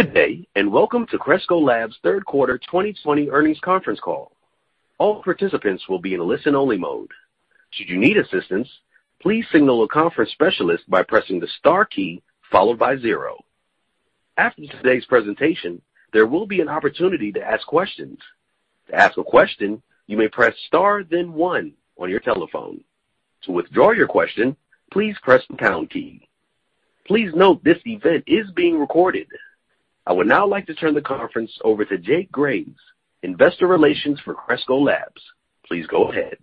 Good day, and welcome to Cresco Labs' Third Quarter 2020 Earnings Conference Call. All participants will be in listen-only mode. Should you need assistance, please signal a conference specialist by pressing the star key followed by zero. After today's presentation, there will be an opportunity to ask questions. To ask a question, you may press star, then one on your telephone. To withdraw your question, please press the pound key. Please note, this event is being recorded. I would now like to turn the conference over to Jake Graves, Investor Relations for Cresco Labs. Please go ahead.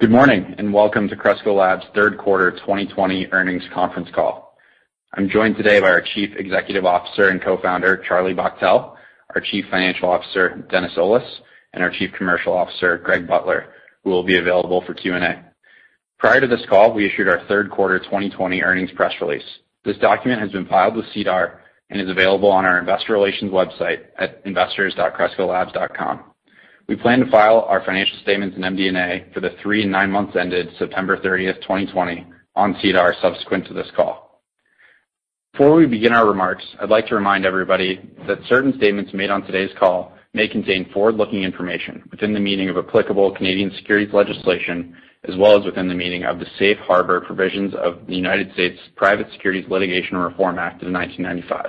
Good morning, and welcome to Cresco Labs' third quarter 2020 earnings conference call. I'm joined today by our Chief Executive Officer and Co-founder, Charlie Bachtell, our Chief Financial Officer, Dennis Olis, and our Chief Commercial Officer, Greg Butler, who will be available for Q&A. Prior to this call, we issued our third quarter 2020 earnings press release. This document has been filed with SEDAR and is available on our Investor Relations website at investors.crescolabs.com. We plan to file our financial statements and MD&A for the three and nine months ended September 30th, 2020 on SEDAR subsequent to this call. Before we begin our remarks, I'd like to remind everybody that certain statements made on today's call may contain forward-looking information within the meaning of applicable Canadian securities legislation, as well as within the meaning of the Safe Harbor Provisions of the United States Private Securities Litigation Reform Act of 1995.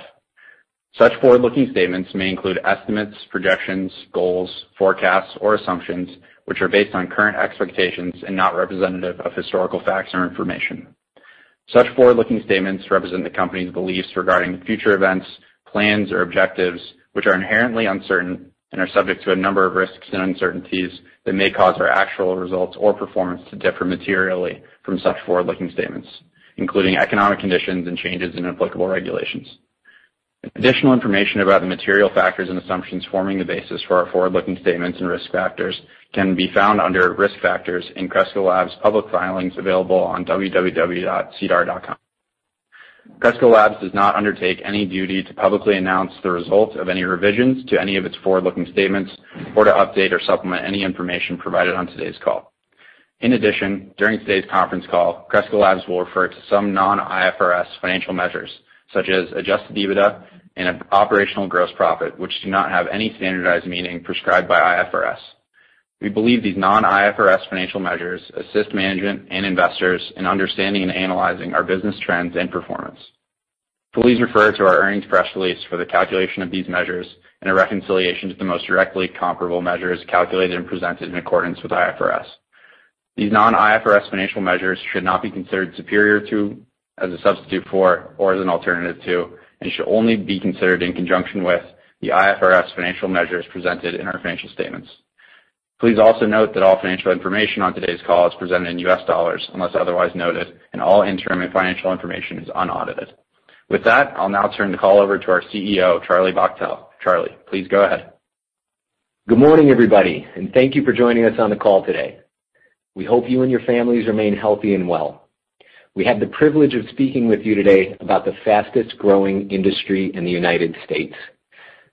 Such forward-looking statements may include estimates, projections, goals, forecasts, or assumptions, which are based on current expectations and not representative of historical facts or information. Such forward-looking statements represent the company's beliefs regarding future events, plans, or objectives, which are inherently uncertain and are subject to a number of risks and uncertainties that may cause our actual results or performance to differ materially from such forward-looking statements, including economic conditions and changes in applicable regulations. Additional information about the material factors and assumptions forming the basis for our forward-looking statements and risk factors can be found under Risk Factors in Cresco Labs' public filings available on www.sedar.com. Cresco Labs does not undertake any duty to publicly announce the result of any revisions to any of its forward-looking statements or to update or supplement any information provided on today's call. In addition, during today's conference call, Cresco Labs will refer to some non-IFRS financial measures, such as Adjusted EBITDA and Operational Gross Profit, which do not have any standardized meaning prescribed by IFRS. We believe these non-IFRS financial measures assist management and investors in understanding and analyzing our business trends and performance. Please refer to our earnings press release for the calculation of these measures and a reconciliation to the most directly comparable measures calculated and presented in accordance with IFRS. These non-IFRS financial measures should not be considered superior to, as a substitute for, or as an alternative to, and should only be considered in conjunction with the IFRS financial measures presented in our financial statements. Please also note that all financial information on today's call is presented in US dollars, unless otherwise noted, and all interim and financial information is unaudited. With that, I'll now turn the call over to our CEO, Charlie Bachtell. Charlie, please go ahead. Good morning, everybody, and thank you for joining us on the call today. We hope you and your families remain healthy and well. We have the privilege of speaking with you today about the fastest-growing industry in the United States.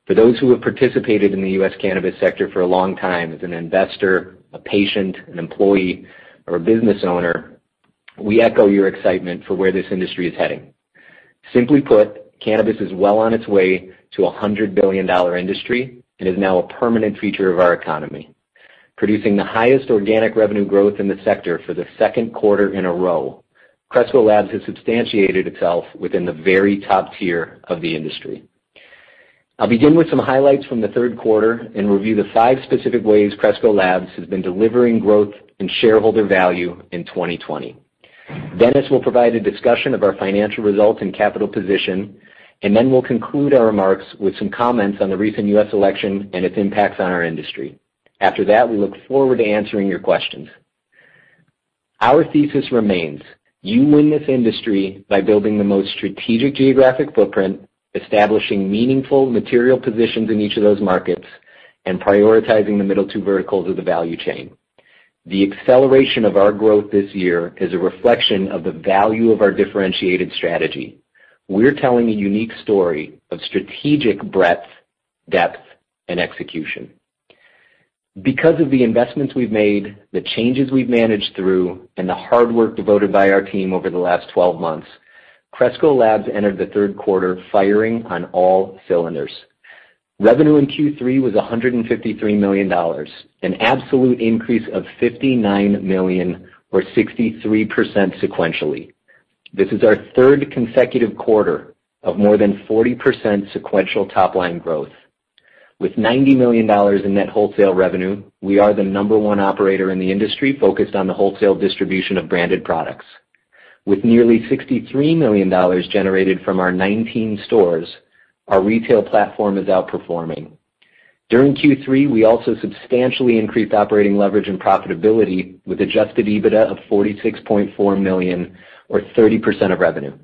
For those who have participated in the U.S. cannabis sector for a long time as an investor, a patient, an employee, or a business owner, we echo your excitement for where this industry is heading. Simply put, cannabis is well on its way to a $100 billion industry and is now a permanent feature of our economy. Producing the highest organic revenue growth in the sector for the second quarter in a row, Cresco Labs has substantiated itself within the very top tier of the industry. I'll begin with some highlights from the third quarter and review the five specific ways Cresco Labs has been delivering growth and shareholder value in 2020. Dennis will provide a discussion of our financial results and capital position, and then we'll conclude our remarks with some comments on the recent U.S. election and its impacts on our industry. After that, we look forward to answering your questions. Our thesis remains you win this industry by building the most strategic geographic footprint, establishing meaningful material positions in each of those markets, and prioritizing the middle two verticals of the value chain. The acceleration of our growth this year is a reflection of the value of our differentiated strategy. We're telling a unique story of strategic breadth, depth, and execution. Because of the investments we've made, the changes we've managed through, and the hard work devoted by our team over the last 12 months, Cresco Labs entered the third quarter firing on all cylinders. Revenue in Q3 was $153 million, an absolute increase of $59 million or 63% sequentially. This is our third consecutive quarter of more than 40% sequential top-line growth. With $90 million in net wholesale revenue, we are the number one operator in the industry focused on the wholesale distribution of branded products. With nearly $63 million generated from our 19 stores, our retail platform is outperforming. During Q3, we also substantially increased operating leverage and profitability with Adjusted EBITDA of $46.4 million or 30% of revenue.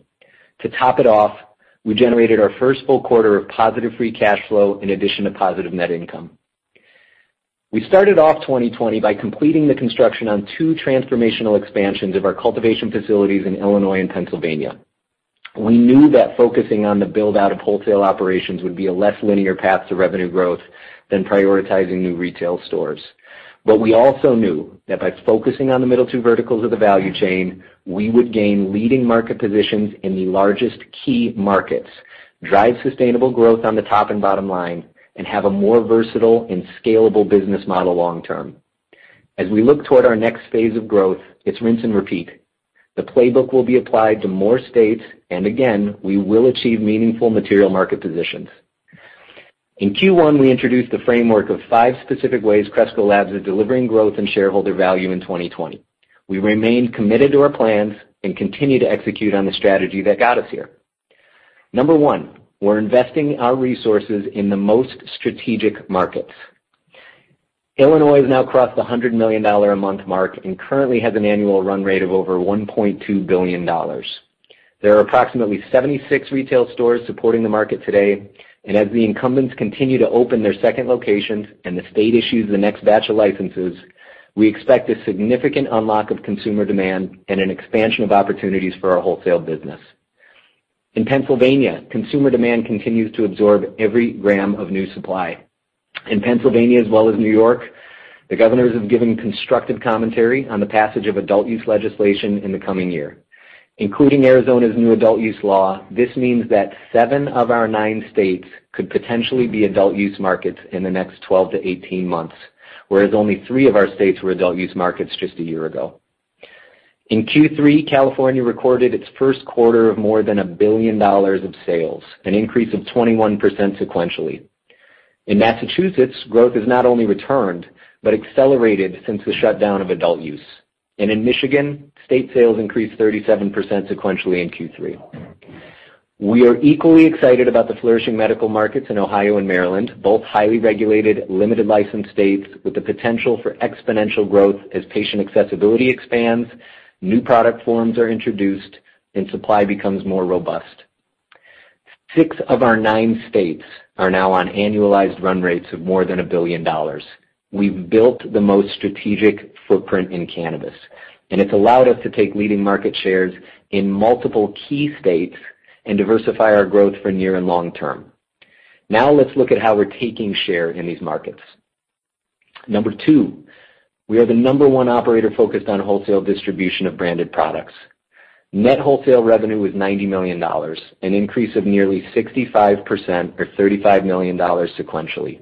To top it off, we generated our first full quarter of positive free cash flow in addition to positive net income. We started off 2020 by completing the construction on two transformational expansions of our cultivation facilities in Illinois and Pennsylvania. We knew that focusing on the build-out of wholesale operations would be a less linear path to revenue growth than prioritizing new retail stores. But we also knew that by focusing on the middle two verticals of the value chain, we would gain leading market positions in the largest key markets, drive sustainable growth on the top and bottom line, and have a more versatile and scalable business model long term. As we look toward our next phase of growth, it's rinse and repeat. The playbook will be applied to more states, and again, we will achieve meaningful material market positions. In Q1, we introduced the framework of five specific ways Cresco Labs are delivering growth and shareholder value in 2020. We remain committed to our plans and continue to execute on the strategy that got us here. Number one, we're investing our resources in the most strategic markets. Illinois has now crossed the $100 million a month mark and currently has an annual run rate of over $1.2 billion. There are approximately 76 retail stores supporting the market today, and as the incumbents continue to open their second locations and the state issues the next batch of licenses, we expect a significant unlock of consumer demand and an expansion of opportunities for our wholesale business. In Pennsylvania, consumer demand continues to absorb every gram of new supply. In Pennsylvania, as well as New York, the governors have given constructive commentary on the passage of adult-use legislation in the coming year. Including Arizona's new adult-use law, this means that seven of our nine states could potentially be adult-use markets in the next 12 to 18 months, whereas only three of our states were adult-use markets just a year ago. In Q3, California recorded its first quarter of more than $1 billion of sales, an increase of 21% sequentially. In Massachusetts, growth has not only returned, but accelerated since the shutdown of adult use, and in Michigan, state sales increased 37% sequentially in Q3. We are equally excited about the flourishing medical markets in Ohio and Maryland, both highly regulated, limited license states with the potential for exponential growth as patient accessibility expands, new product forms are introduced, and supply becomes more robust. Six of our nine states are now on annualized run rates of more than $1 billion. We've built the most strategic footprint in cannabis, and it's allowed us to take leading market shares in multiple key states and diversify our growth for near and long term. Now, let's look at how we're taking share in these markets. Number two, we are the number one operator focused on wholesale distribution of branded products. Net wholesale revenue was $90 million, an increase of nearly 65% or $35 million sequentially.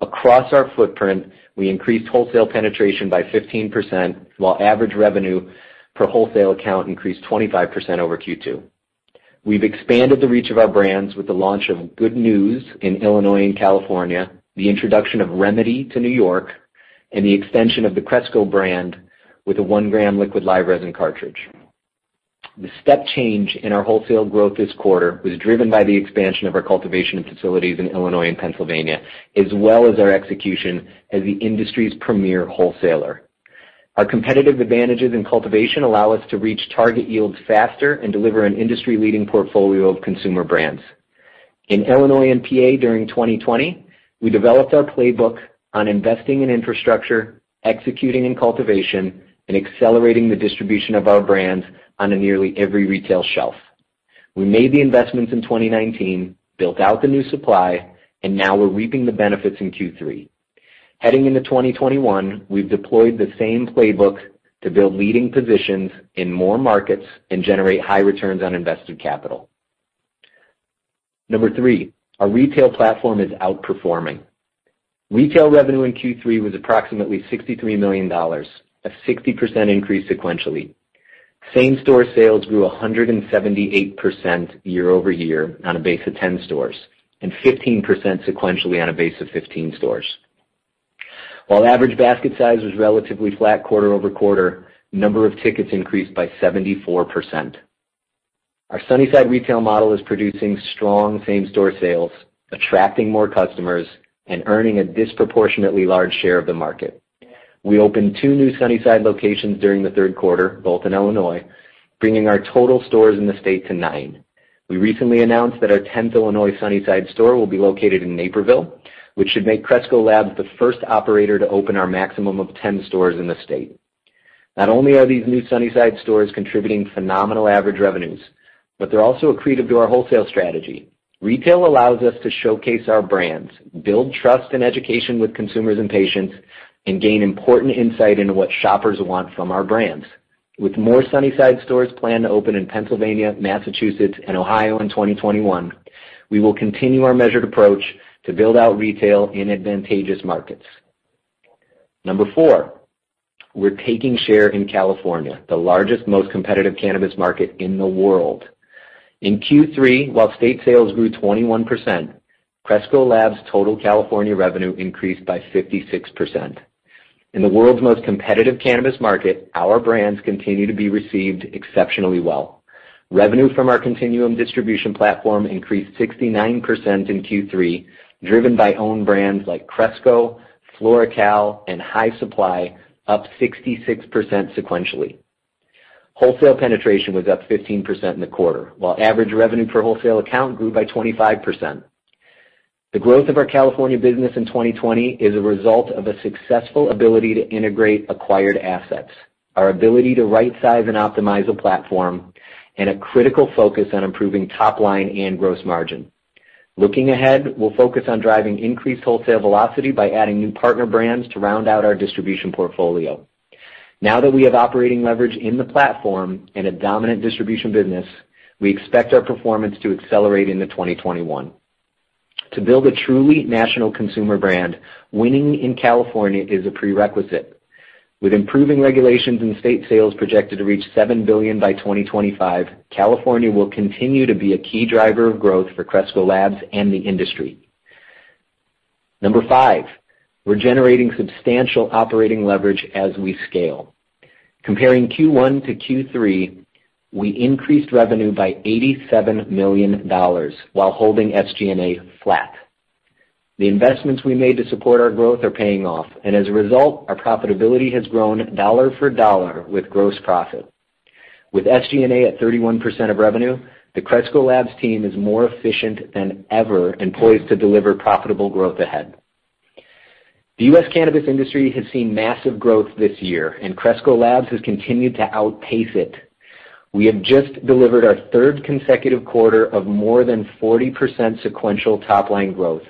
Across our footprint, we increased wholesale penetration by 15%, while average revenue per wholesale account increased 25% over Q2. We've expanded the reach of our brands with the launch of Good News in Illinois and California, the introduction of Remedi to New York, and the extension of the Cresco brand with a one-gram liquid live resin cartridge. The step change in our wholesale growth this quarter was driven by the expansion of our cultivation facilities in Illinois and Pennsylvania, as well as our execution as the industry's premier wholesaler. Our competitive advantages in cultivation allow us to reach target yields faster and deliver an industry-leading portfolio of consumer brands. In Illinois and PA, during 2020, we developed our playbook on investing in infrastructure, executing in cultivation, and accelerating the distribution of our brands on a nearly every retail shelf. We made the investments in 2019, built out the new supply, and now we're reaping the benefits in Q3. Heading into 2021, we've deployed the same playbook to build leading positions in more markets and generate high returns on invested capital. Number three, our retail platform is outperforming. Retail revenue in Q3 was approximately $63 million, a 60% increase sequentially. Same-store sales grew 178% year-over-year on a base of 10 stores, and 15% sequentially on a base of 15 stores. While average basket size was relatively flat quarter-over-quarter, number of tickets increased by 74%. Our Sunnyside retail model is producing strong same-store sales, attracting more customers, and earning a disproportionately large share of the market. We opened two new Sunnyside locations during the third quarter, both in Illinois, bringing our total stores in the state to nine. We recently announced that our 10th Illinois Sunnyside store will be located in Naperville, which should make Cresco Labs the first operator to open our maximum of 10 stores in the state. Not only are these new Sunnyside stores contributing phenomenal average revenues, but they're also accretive to our wholesale strategy. Retail allows us to showcase our brands, build trust and education with consumers and patients, and gain important insight into what shoppers want from our brands. With more Sunnyside stores planned to open in Pennsylvania, Massachusetts, and Ohio in 2021, we will continue our measured approach to build out retail in advantageous markets. Number four, we're taking share in California, the largest, most competitive cannabis market in the world. In Q3, while state sales grew 21%, Cresco Labs' total California revenue increased by 56%. In the world's most competitive cannabis market, our brands continue to be received exceptionally well. Revenue from our Continuum distribution platform increased 69% in Q3, driven by own brands like Cresco, FloraCal, and High Supply, up 66% sequentially. Wholesale penetration was up 15% in the quarter, while average revenue per wholesale account grew by 25%. The growth of our California business in 2020 is a result of a successful ability to integrate acquired assets, our ability to right-size and optimize a platform, and a critical focus on improving top line and gross margin. Looking ahead, we'll focus on driving increased wholesale velocity by adding new partner brands to round-out our distribution portfolio. Now that we have operating leverage in the platform and a dominant distribution business, we expect our performance to accelerate into 2021. To build a truly national consumer brand, winning in California is a prerequisite. With improving regulations and state sales projected to reach $7 billion by 2025, California will continue to be a key driver of growth for Cresco Labs and the industry. Number five, we're generating substantial operating leverage as we scale. Comparing Q1 to Q3, we increased revenue by $87 million while holding SG&A flat. The investments we made to support our growth are paying off, and as a result, our profitability has grown dollar for dollar with gross profit. With SG&A at 31% of revenue, the Cresco Labs team is more efficient than ever and poised to deliver profitable growth ahead. The U.S. cannabis industry has seen massive growth this year, and Cresco Labs has continued to outpace it. We have just delivered our third consecutive quarter of more than 40% sequential top-line growth,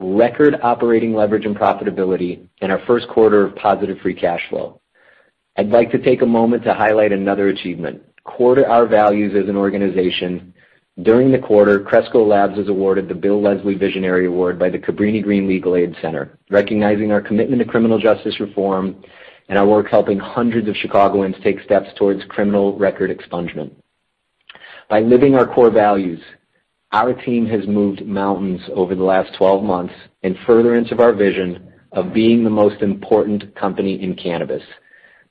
record operating leverage and profitability, and our first quarter of positive free cash flow. I'd like to take a moment to highlight another achievement. Core to our values as an organization, during the quarter, Cresco Labs was awarded the Bill Leslie Visionary Award by the Cabrini Green Legal Aid Center, recognizing our commitment to criminal justice reform and our work helping hundreds of Chicagoans take steps towards criminal record expungement. By living our core values, our team has moved mountains over the last 12 months in furtherance of our vision of being the most important company in cannabis.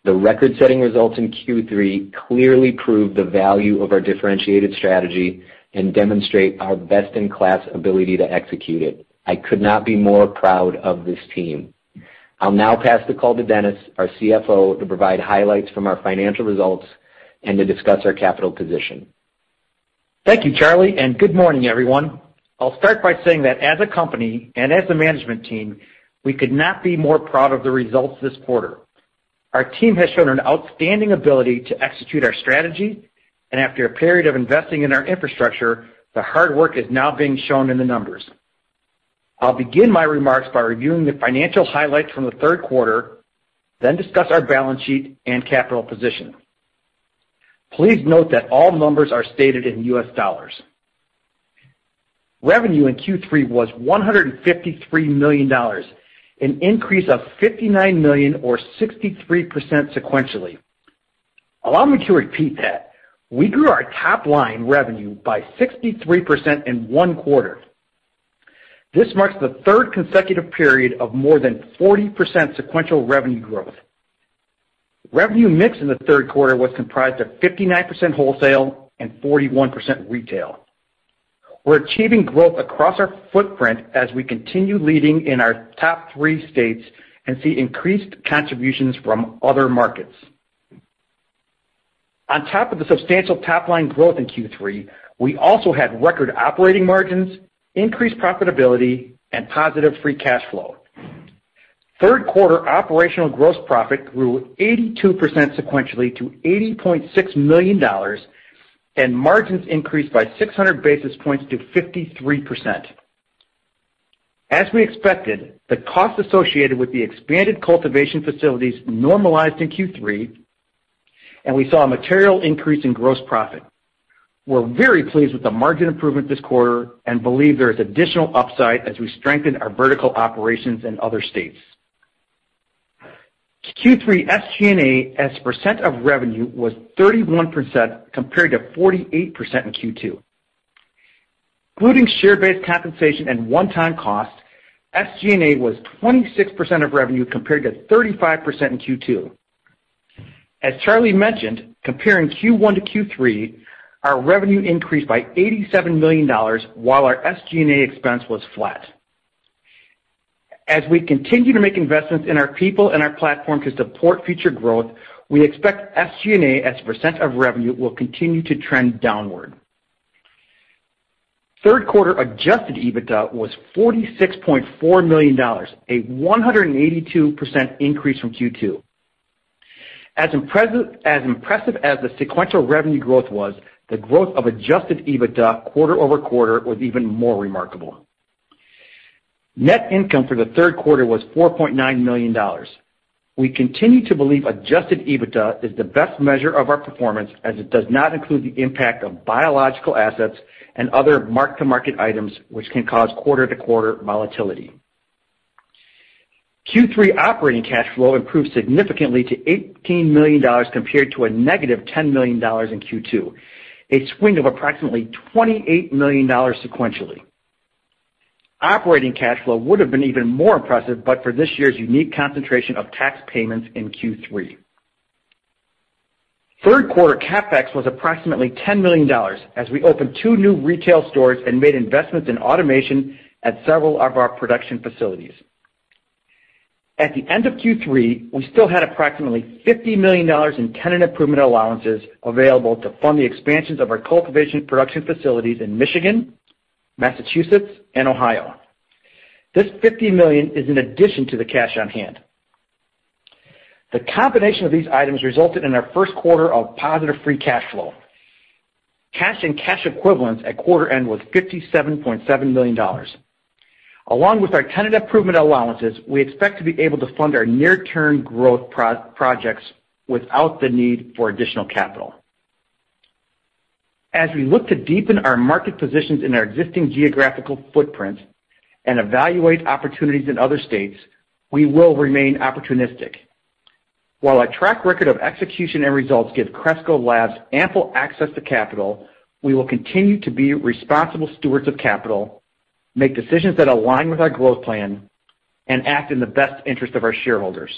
The record-setting results in Q3 clearly prove the value of our differentiated strategy and demonstrate our best-in-class ability to execute it. I could not be more proud of this team. I'll now pass the call to Dennis, our CFO, to provide highlights from our financial results and to discuss our capital position. Thank you, Charlie, and good morning, everyone. I'll start by saying that as a company and as a management team, we could not be more proud of the results this quarter. Our team has shown an outstanding ability to execute our strategy, and after a period of investing in our infrastructure, the hard work is now being shown in the numbers. I'll begin my remarks by reviewing the financial highlights from the third quarter, then discuss our balance sheet and capital position. Please note that all numbers are stated in US dollars. Revenue in Q3 was $153 million, an increase of $59 million or 63% sequentially. Allow me to repeat that. We grew our top-line revenue by 63% in one quarter. This marks the third consecutive period of more than 40% sequential revenue growth. Revenue mix in the third quarter was comprised of 59% wholesale and 41% retail. We're achieving growth across our footprint as we continue leading in our top three states and see increased contributions from other markets. On top of the substantial top-line growth in Q3, we also had record operating margins, increased profitability, and positive free cash flow. Third quarter operational gross profit grew 82% sequentially to $80.6 million, and margins increased by 600 basis points to 53%. As we expected, the cost associated with the expanded cultivation facilities normalized in Q3, and we saw a material increase in gross profit. We're very pleased with the margin improvement this quarter and believe there is additional upside as we strengthen our vertical operations in other states. Q3 SG&A as a percent of revenue was 31%, compared to 48% in Q2. Including share-based compensation and one-time costs, SG&A was 26% of revenue, compared to 35% in Q2. As Charlie mentioned, comparing Q1 to Q3, our revenue increased by $87 million, while our SG&A expense was flat. As we continue to make investments in our people and our platform to support future growth, we expect SG&A as a percent of revenue will continue to trend downward. Third quarter adjusted EBITDA was $46.4 million, a 182% increase from Q2. As impressive, as impressive as the sequential revenue growth was, the growth of adjusted EBITDA quarter-over-quarter was even more remarkable. Net income for the third quarter was $4.9 million. We continue to believe Adjusted EBITDA is the best measure of our performance, as it does not include the impact of biological assets and other mark-to-market items, which can cause quarter-to-quarter volatility. Q3 operating cash flow improved significantly to $18 million, compared to a negative $10 million in Q2, a swing of approximately $28 million sequentially. Operating cash flow would have been even more impressive, but for this year's unique concentration of tax payments in Q3. Third quarter CapEx was approximately $10 million as we opened two new retail stores and made investments in automation at several of our production facilities. At the end of Q3, we still had approximately $50 million in tenant improvement allowances available to fund the expansions of our cultivation production facilities in Michigan, Massachusetts, and Ohio. This $50 million is in addition to the cash on hand. The combination of these items resulted in our first quarter of positive free cash flow. Cash and cash equivalents at quarter end was $57.7 million. Along with our tenant improvement allowances, we expect to be able to fund our near-term growth projects without the need for additional capital. As we look to deepen our market positions in our existing geographical footprint and evaluate opportunities in other states, we will remain opportunistic. While our track record of execution and results give Cresco Labs ample access to capital, we will continue to be responsible stewards of capital, make decisions that align with our growth plan, and act in the best interest of our shareholders.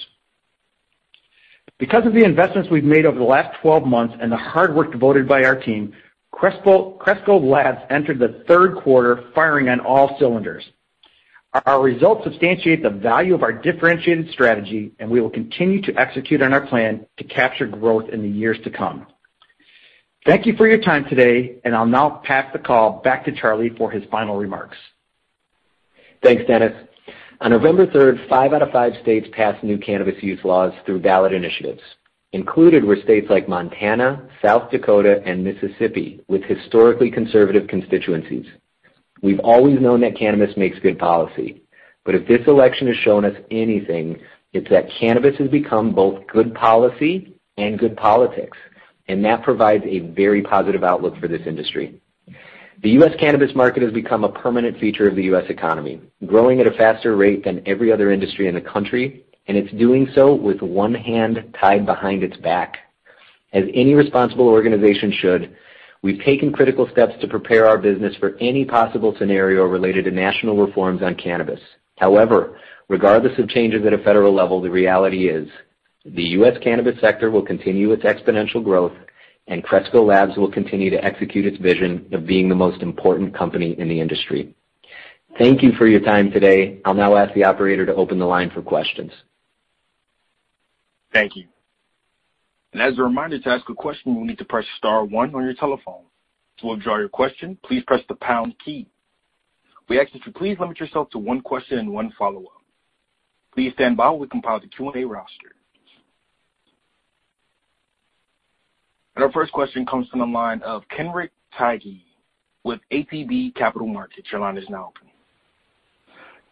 Because of the investments we've made over the last 12 months and the hard work devoted by our team, Cresco, Cresco Labs entered the third quarter firing on all cylinders. Our results substantiate the value of our differentiated strategy, and we will continue to execute on our plan to capture growth in the years to come. Thank you for your time today, and I'll now pass the call back to Charlie for his final remarks. Thanks, Dennis. On November 3rd, five out of five states passed new cannabis use laws through ballot initiatives. Included were states like Montana, South Dakota, and Mississippi, with historically conservative constituencies. We've always known that cannabis makes good policy, but if this election has shown us anything, it's that cannabis has become both good policy and good politics, and that provides a very positive outlook for this industry. The U.S. cannabis market has become a permanent feature of the U.S. economy, growing at a faster rate than every other industry in the country, and it's doing so with one hand tied behind its back. As any responsible organization should, we've taken critical steps to prepare our business for any possible scenario related to national reforms on cannabis. However, regardless of changes at a federal level, the reality is, the U.S. cannabis sector will continue its exponential growth, and Cresco Labs will continue to execute its vision of being the most important company in the industry. Thank you for your time today. I'll now ask the operator to open the line for questions. Thank you. And as a reminder, to ask a question, you will need to press star one on your telephone. To withdraw your question, please press the pound key. We ask you to please limit yourself to one question and one follow-up. Please stand by while we compile the Q&A roster. And our first question comes from the line of Kenric Tyghe with ATB Capital Markets. Your line is now open.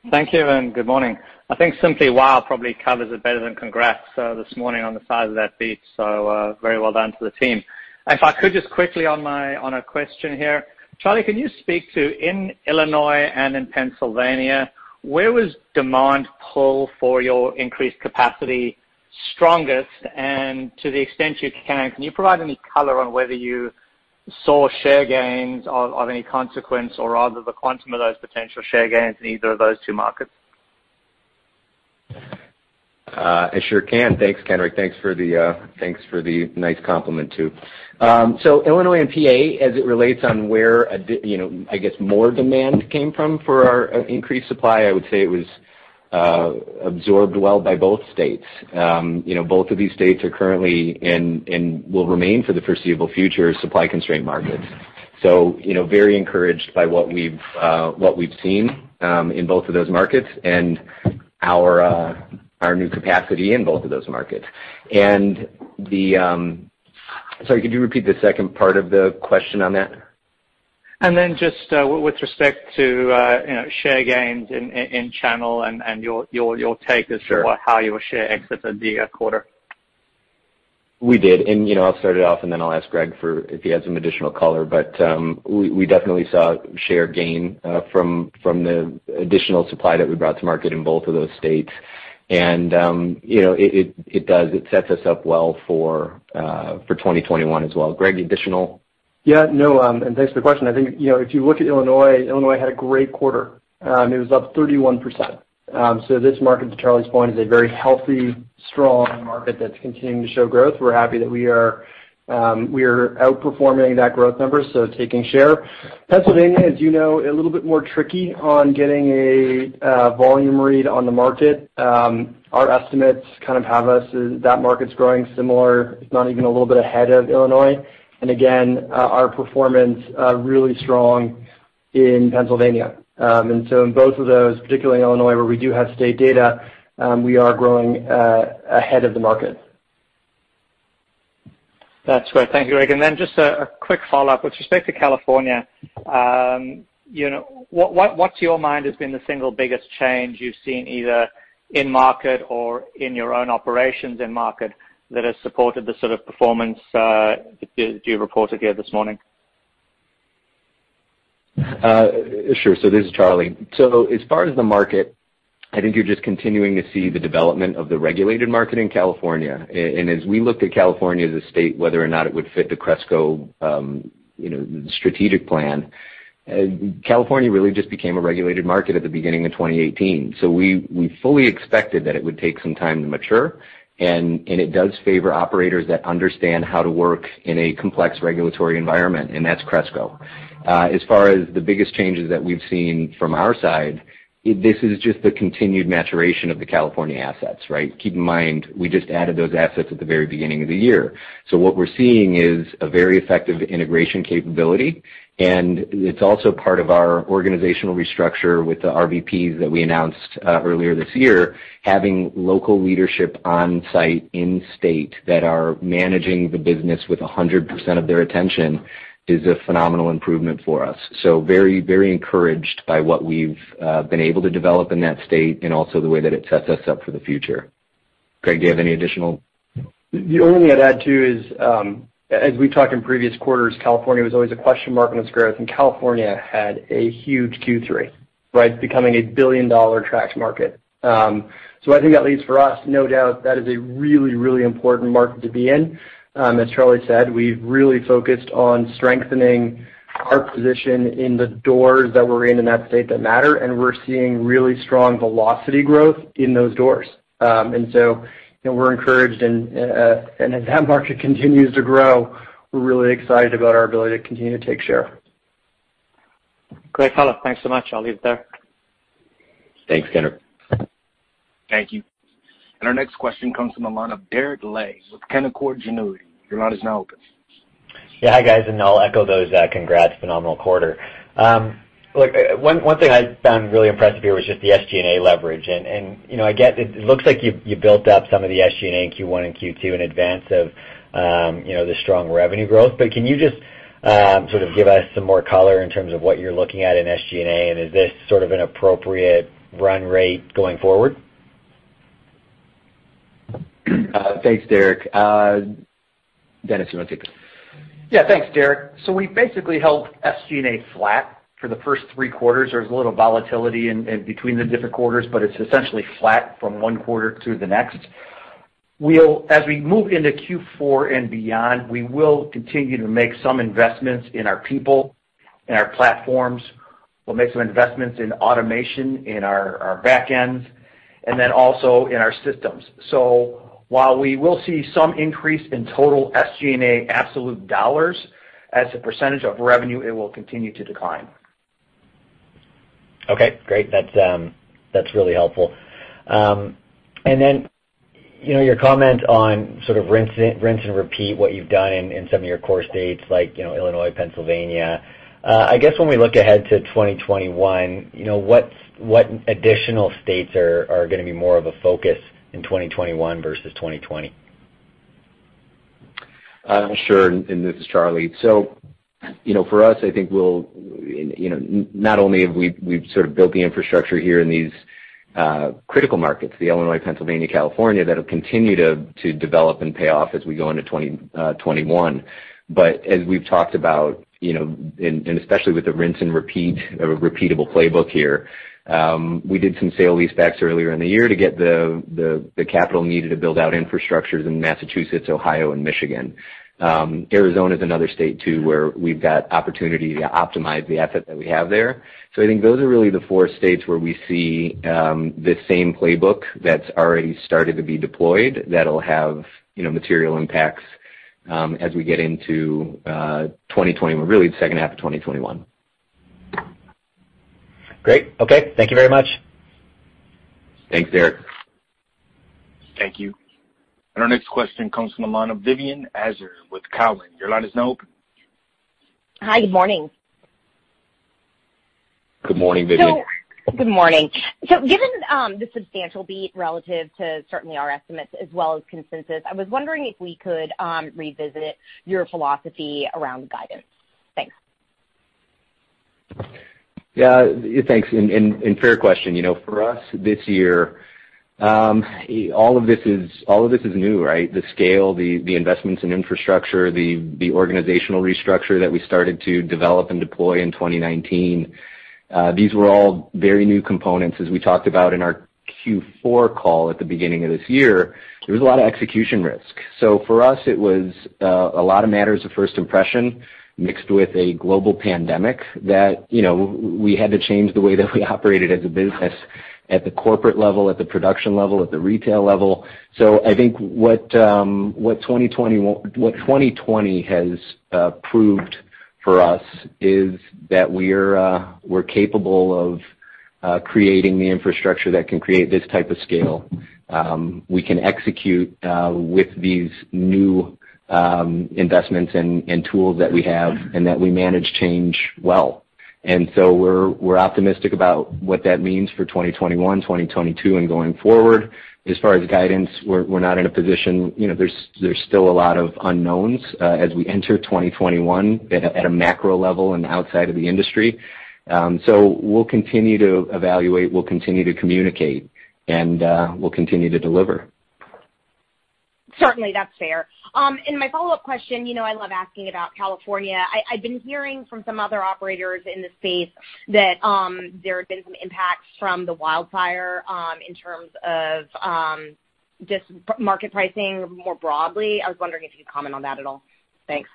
Thank you, and good morning. I think simply wow probably covers it better than congrats this morning on the size of that beat, so, very well done to the team. If I could just quickly on a question here. Charlie, can you speak to, in Illinois and in Pennsylvania, where was demand pull for your increased capacity strongest? And to the extent you can, can you provide any color on whether you saw share gains of any consequence or rather the quantum of those potential share gains in either of those two markets? I sure can. Thanks, Kenric. Thanks for the nice compliment, too. So Illinois and PA, as it relates on where you know, I guess, more demand came from for our increased supply, I would say it was absorbed well by both states. You know, both of these states are currently and will remain for the foreseeable future, supply-constrained markets. So, you know, very encouraged by what we've seen in both of those markets and our new capacity in both of those markets. And the... Sorry, could you repeat the second part of the question on that? And then just with respect to you know share gains in channel and your take as to- Sure. -how your share exited the quarter. We did. And you know, I'll start it off, and then I'll ask Greg if he has some additional color, but we definitely saw share gain from the additional supply that we brought to market in both of those states, and you know, it sets us up well for 2021 as well. Greg, any additional? Yeah, no, and thanks for the question. I think, you know, if you look at Illinois, Illinois had a great quarter, it was up 31%. So this market, to Charlie's point, is a very healthy, strong market that's continuing to show growth. We're happy that we are outperforming that growth number, so taking share. Pennsylvania, as you know, a little bit more tricky on getting a volume read on the market. Our estimates kind of have us, that market's growing similar, if not even a little bit ahead of Illinois. And again, our performance really strong in Pennsylvania. And so in both of those, particularly in Illinois, where we do have state data, we are growing ahead of the market. That's great. Thank you, Greg. And then just a quick follow-up. With respect to California, you know, what to your mind has been the single biggest change you've seen either in market or in your own operations in market, that has supported the sort of performance that you reported here this morning? Sure. This is Charlie. As far as the market, I think you're just continuing to see the development of the regulated market in California. And as we looked at California as a state, whether or not it would fit the Cresco, you know, strategic plan, California really just became a regulated market at the beginning of 2018. We fully expected that it would take some time to mature, and it does favor operators that understand how to work in a complex regulatory environment, and that's Cresco. As far as the biggest changes that we've seen from our side, this is just the continued maturation of the California assets, right? Keep in mind, we just added those assets at the very beginning of the year. What we're seeing is a very effective integration capability, and it's also part of our organizational restructure with the RVPs that we announced earlier this year. Having local leadership on site, in state, that are managing the business with 100% of their attention is a phenomenal improvement for us. Very, very encouraged by what we've been able to develop in that state and also the way that it sets us up for the future. Greg, do you have any additional? The only I'd add, too, is, as we've talked in previous quarters, California was always a question mark on its growth, and California had a huge Q3, right? Becoming $1 billion tracked market. So I think that leaves for us, no doubt, that is a really, really important market to be in. As Charlie said, we've really focused on strengthening our position in the doors that we're in, in that state that matter, and we're seeing really strong velocity growth in those doors. And so, you know, we're encouraged, and as that market continues to grow, we're really excited about our ability to continue to take share. Great color. Thanks so much. I'll leave it there. Thanks, Kenric. Thank you. And our next question comes from the line of Derek Dley with Canaccord Genuity. Your line is now open. Yeah. Hi, guys, and I'll echo those congrats. phenomenal quarter. Look, one thing I found really impressive here was just the SG&A leverage. And you know, I get it. It looks like you built up some of the SG&A in Q1 and Q2 in advance of you know, the strong revenue growth. But can you just sort of give us some more color in terms of what you're looking at in SG&A, and is this sort of an appropriate run rate going forward? Thanks, Derek. Dennis, you wanna take this? Yeah. Thanks, Derek. So we basically held SG&A flat for the first three quarters. There was a little volatility in between the different quarters, but it's essentially flat from one quarter to the next. We'll, as we move into Q4 and beyond, we will continue to make some investments in our people and our platforms. We'll make some investments in automation, in our back ends, and then also in our systems. So while we will see some increase in total SG&A absolute dollars, as a percentage of revenue, it will continue to decline. Okay, great. That's really helpful. And then, you know, your comment on sort of rinse and repeat what you've done in some of your core states, like, you know, Illinois, Pennsylvania. I guess when we look ahead to 2021, you know, what additional states are gonna be more of a focus in 2021 versus 2020? Sure, and this is Charlie. So, you know, for us, I think we'll and you know, not only have we we've sort of built the infrastructure here in these critical markets, the Illinois, Pennsylvania, California, that have continued to develop and pay off as we go into 2021. But as we've talked about, you know, and especially with the rinse and repeat repeatable playbook here, we did some sale-leasebacks earlier in the year to get the capital needed to build out infrastructures in Massachusetts, Ohio, and Michigan. Arizona is another state, too, where we've got opportunity to optimize the asset that we have there. So I think those are really the four states where we see the same playbook that's already started to be deployed, that'll have, you know, material impacts as we get into 2021, really the second half of 2021. Great. Okay. Thank you very much. Thanks, Derek. Thank you. And our next question comes from the line of Vivien Azer with Cowen. Your line is now open. Hi, good morning. Good morning, Vivien. Good morning. Given the substantial beat relative to certainly our estimates as well as consensus, I was wondering if we could revisit your philosophy around guidance? Thanks. Yeah. Thanks, and fair question. You know, for us, this year, all of this is new, right? The scale, the investments in infrastructure, the organizational restructure that we started to develop and deploy in 2019. These were all very new components. As we talked about in our Q4 call at the beginning of this year, there was a lot of execution risk. So for us, it was a lot of matters of first impression, mixed with a global pandemic that, you know, we had to change the way that we operated as a business at the corporate level, at the production level, at the retail level. So I think what 2020 has proved for us is that we're capable of creating the infrastructure that can create this type of scale. We can execute with these new investments and tools that we have, and that we manage change well. And so we're optimistic about what that means for 2021, 2022, and going forward. As far as guidance, we're not in a position. You know, there's still a lot of unknowns as we enter 2021 at a macro level and outside of the industry. So we'll continue to evaluate, we'll continue to communicate, and we'll continue to deliver. Certainly, that's fair, and my follow-up question, you know, I love asking about California. I've been hearing from some other operators in the space that there have been some impacts from the wildfire in terms of just market pricing more broadly. I was wondering if you could comment on that at all. Thanks.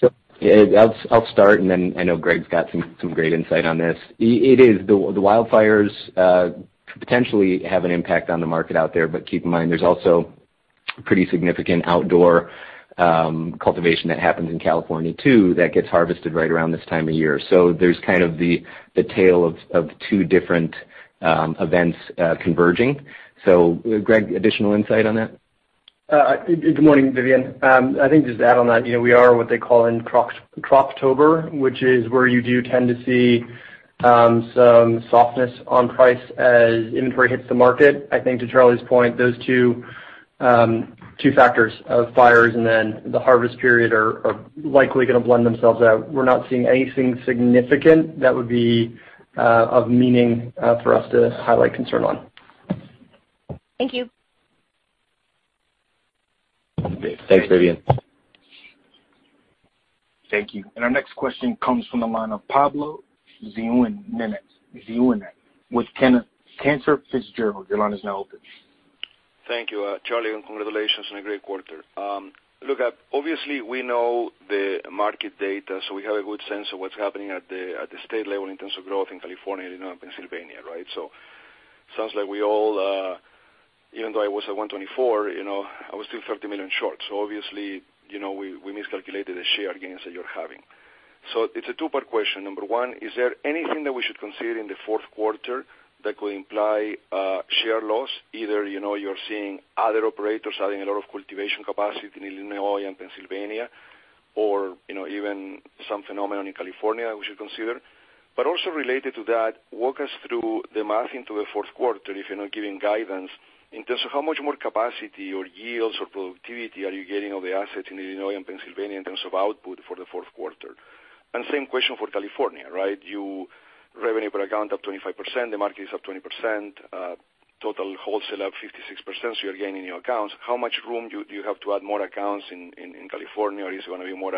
I'll start, and then I know Greg's got some great insight on this. The wildfires could potentially have an impact on the market out there, but keep in mind, there's also pretty significant outdoor cultivation that happens in California, too, that gets harvested right around this time of year. So there's kind of the tale of two different events converging. Greg, additional insight on that? Good morning, Vivien. I think just to add on that, you know, we are what they call in Croptober, which is where you do tend to see some softness on price as inventory hits the market. I think to Charlie's point, those two factors of fires and then the harvest period are likely gonna blend themselves out. We're not seeing anything significant that would be of meaning for us to highlight concern on. Thank you. Thanks, Vivien. Thank you. Our next question comes from the line of Pablo Zuanic with Cantor Fitzgerald. Your line is now open. Thank you, Charlie, and congratulations on a great quarter. Look, obviously, we know the market data, so we have a good sense of what's happening at the state level in terms of growth in California and Illinois and Pennsylvania, right, so sounds like we all, even though I was at $124 million, you know, I was still $30 million short, so obviously, you know, we miscalculated the share gains that you're having, so it's a two-part question. Number one, is there anything that we should consider in the fourth quarter that could imply share loss, either, you know, you're seeing other operators adding a lot of cultivation capacity in Illinois and Pennsylvania, or, you know, even some phenomenon in California we should consider? But also related to that, walk us through the math into the fourth quarter, if you're not giving guidance, in terms of how much more capacity or yields or productivity are you getting on the assets in Illinois and Pennsylvania in terms of output for the fourth quarter? And same question for California, right? Your revenue per account up 25%, the market is up 20%, total wholesale up 56%, so you're gaining your accounts. How much room do you have to add more accounts in California, or is it gonna be more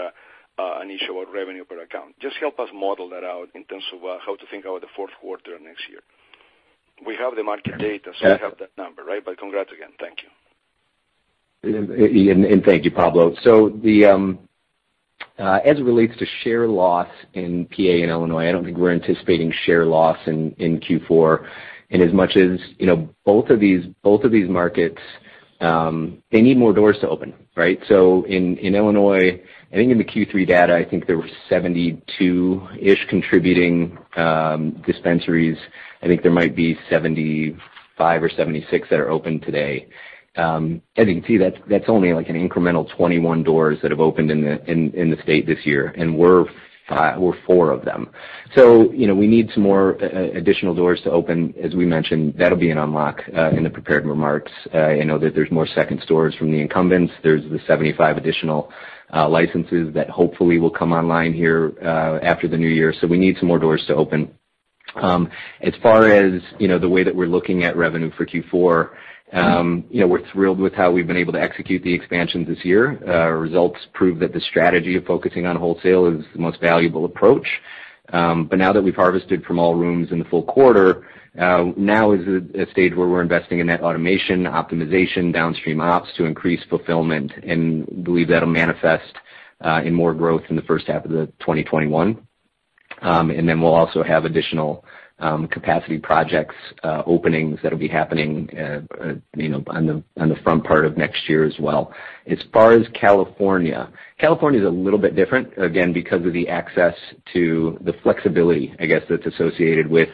an issue of revenue per account? Just help us model that out in terms of how to think about the fourth quarter next year. We have the market data, so we have that number, right? But congrats again. Thank you. Thank you, Pablo. As it relates to share loss in PA and Illinois, I don't think we're anticipating share loss in Q4, and as much as you know, both of these markets need more doors to open, right, so in Illinois, I think in the Q3 data there were 72-ish contributing dispensaries. I think there might be 75 or 76 that are open today. As you can see, that's only like an incremental 21 doors that have opened in the state this year, and we're four of them, so you know, we need some more additional doors to open. As we mentioned, that'll be an unlock in the prepared remarks. I know that there's more second stores from the incumbents. There's the 75 additional licenses that hopefully will come online here after the new year. So we need some more doors to open. As far as, you know, the way that we're looking at revenue for Q4, you know, we're thrilled with how we've been able to execute the expansion this year. Our results prove that the strategy of focusing on wholesale is the most valuable approach. But now that we've harvested from all rooms in the full quarter, now is a stage where we're investing in that automation, optimization, downstream ops to increase fulfillment, and believe that'll manifest in more growth in the first half of the twenty twenty-one. And then we'll also have additional capacity projects, openings that'll be happening, you know, on the front part of next year as well. As far as California, California is a little bit different, again, because of the access to the flexibility, I guess, that's associated with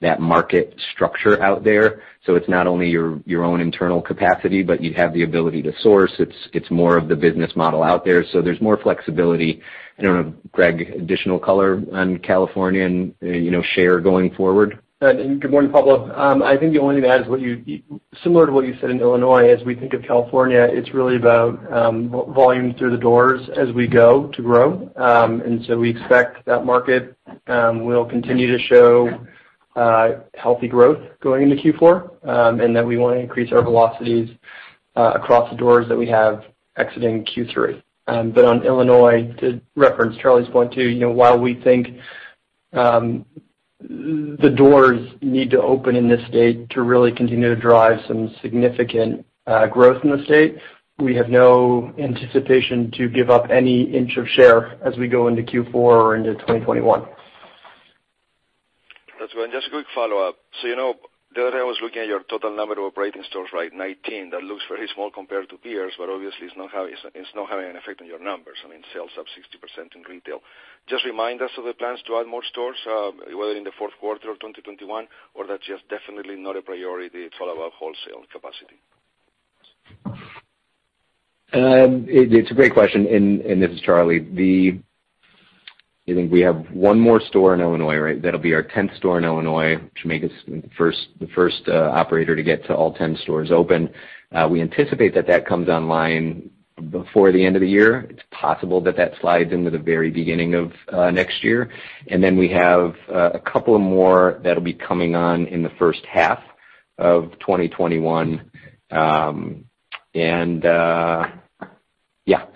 that market structure out there. So it's not only your, your own internal capacity, but you have the ability to source. It's, it's more of the business model out there. So there's more flexibility. I don't know, Greg, additional color on California and, you know, share going forward? Good morning, Pablo. I think the only thing to add is similar to what you said in Illinois, as we think of California, it's really about volume through the doors as we go to grow. And so we expect that market will continue to show healthy growth going into Q4, and that we want to increase our velocities across the doors that we have exiting Q3. But on Illinois, to reference Charlie's point, too, you know, while we think the doors need to open in this state to really continue to drive some significant growth in the state, we have no anticipation to give up any inch of share as we go into Q4 or into 2021. That's right. Just a quick follow-up. So, you know, the other day I was looking at your total number of operating stores, right? 19. That looks very small compared to peers, but obviously it's not having an effect on your numbers. I mean, sales up 60% in retail. Just remind us of the plans to add more stores, whether in the fourth quarter of 2021, or that's just definitely not a priority, it's all about wholesale capacity. It's a great question, and this is Charlie. I think we have one more store in Illinois, right? That'll be our 10th store in Illinois, which will make us the first operator to get to all 10 stores open. We anticipate that that comes online before the end of the year. It's possible that that slides into the very beginning of next year. And then we have a couple of more that'll be coming on in the first half of 2021.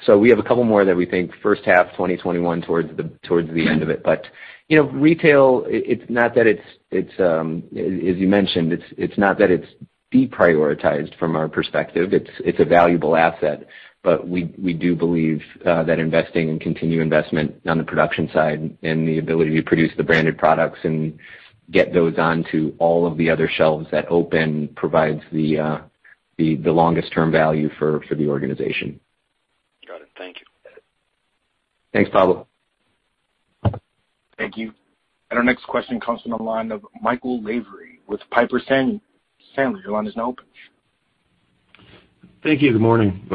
So we have a couple more that we think first half 2021 towards the end of it. But, you know, retail, it's not that it's, as you mentioned, it's not that it's deprioritized from our perspective. It's a valuable asset, but we do believe that investing and continued investment on the production side and the ability to produce the branded products and get those onto all of the other shelves that open provides the longest term value for the organization. Got it. Thank you. Thanks, Pablo. Thank you. Our next question comes from the line of Michael Lavery with Piper Sandler. Your line is now open. Thank you. Good morning.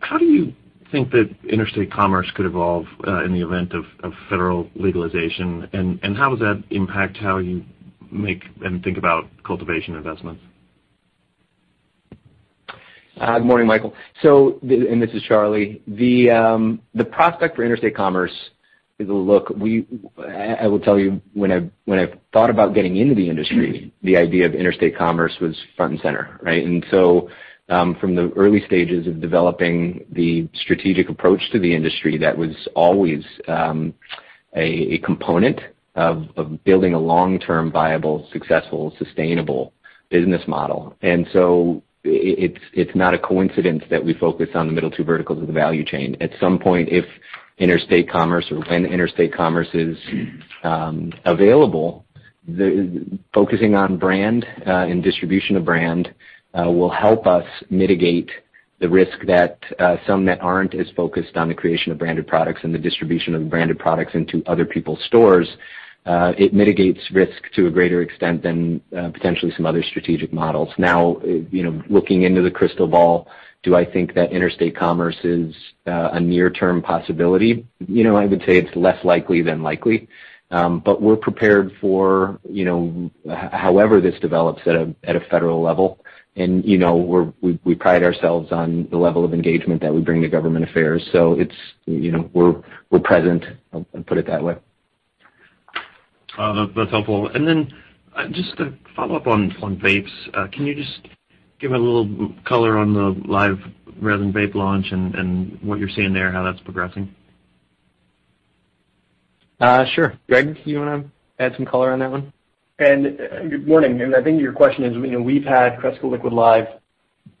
How do you think that interstate commerce could evolve in the event of federal legalization? And how does that impact how you make and think about cultivation investments? Good morning, Michael. So, and this is Charlie. The prospect for interstate commerce, look, I will tell you, when I thought about getting into the industry, the idea of interstate commerce was front and center, right? And so, from the early stages of developing the strategic approach to the industry, that was always a component of building a long-term, viable, successful, sustainable business model. And so it's not a coincidence that we focus on the middle two verticals of the value chain. At some point, if interstate commerce or when interstate commerce is available, focusing on brand and distribution of brand will help us mitigate the risk that some that aren't as focused on the creation of branded products and the distribution of branded products into other people's stores. It mitigates risk to a greater extent than potentially some other strategic models. Now, you know, looking into the crystal ball, do I think that interstate commerce is a near-term possibility? You know, I would say it's less likely than likely. But we're prepared for, you know, however this develops at a federal level. And, you know, we pride ourselves on the level of engagement that we bring to government affairs. So it's, you know, we're present. I'll put it that way. That's helpful. And then, just to follow up on vapes, can you just give a little color on the live resin vape launch and what you're seeing there, how that's progressing? Sure. Greg, do you want to add some color on that one? Good morning. I think your question is, you know, we've had Cresco Liquid Live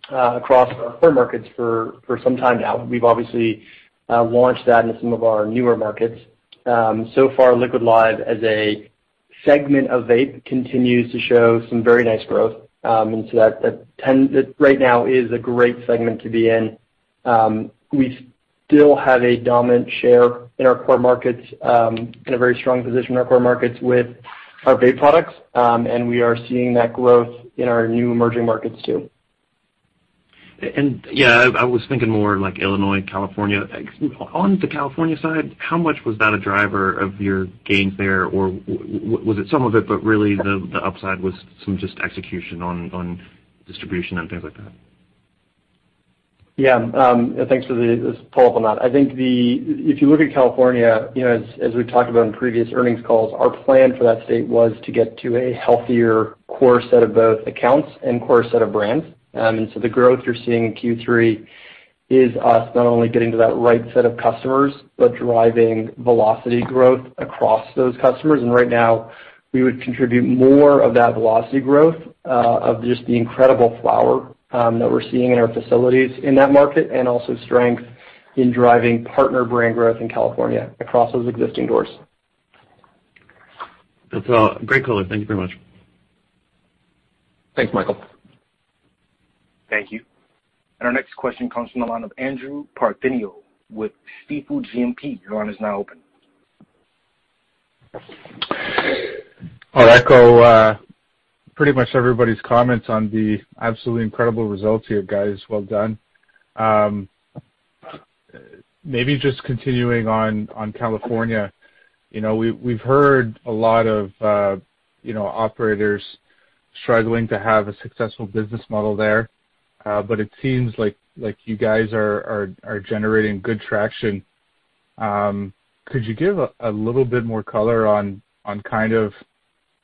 across all markets for some time now. We've obviously launched that into some of our newer markets. So far, Liquid Live, as a segment of vape, continues to show some very nice growth. So that trend, right now, is a great segment to be in. We still have a dominant share in our core markets and a very strong position in our core markets with our vape products. We are seeing that growth in our new emerging markets, too. And yeah, I was thinking more like Illinois, California. On the California side, how much was that a driver of your gain there? Or was it some of it, but really, the upside was some just execution on distribution and things like that? Yeah. Thanks for this follow-up on that. I think the, if you look at California, you know, as we've talked about in previous earnings calls, our plan for that state was to get to a healthier core set of both accounts and core set of brands. And so the growth you're seeing in Q3 is us not only getting to that right set of customers, but driving velocity growth across those customers. And right now, we would contribute more of that velocity growth, of just the incredible flower, that we're seeing in our facilities in that market, and also strength in driving partner brand growth in California across those existing doors. That's great color. Thank you very much. Thanks, Michael. Thank you. And our next question comes from the line of Andrew Partheniou with Stifel GMP. Your line is now open. I'll echo pretty much everybody's comments on the absolutely incredible results here, guys. Well done. Maybe just continuing on California, you know, we've heard a lot of, you know, operators struggling to have a successful business model there. But it seems like you guys are generating good traction. Could you give a little bit more color on kind of,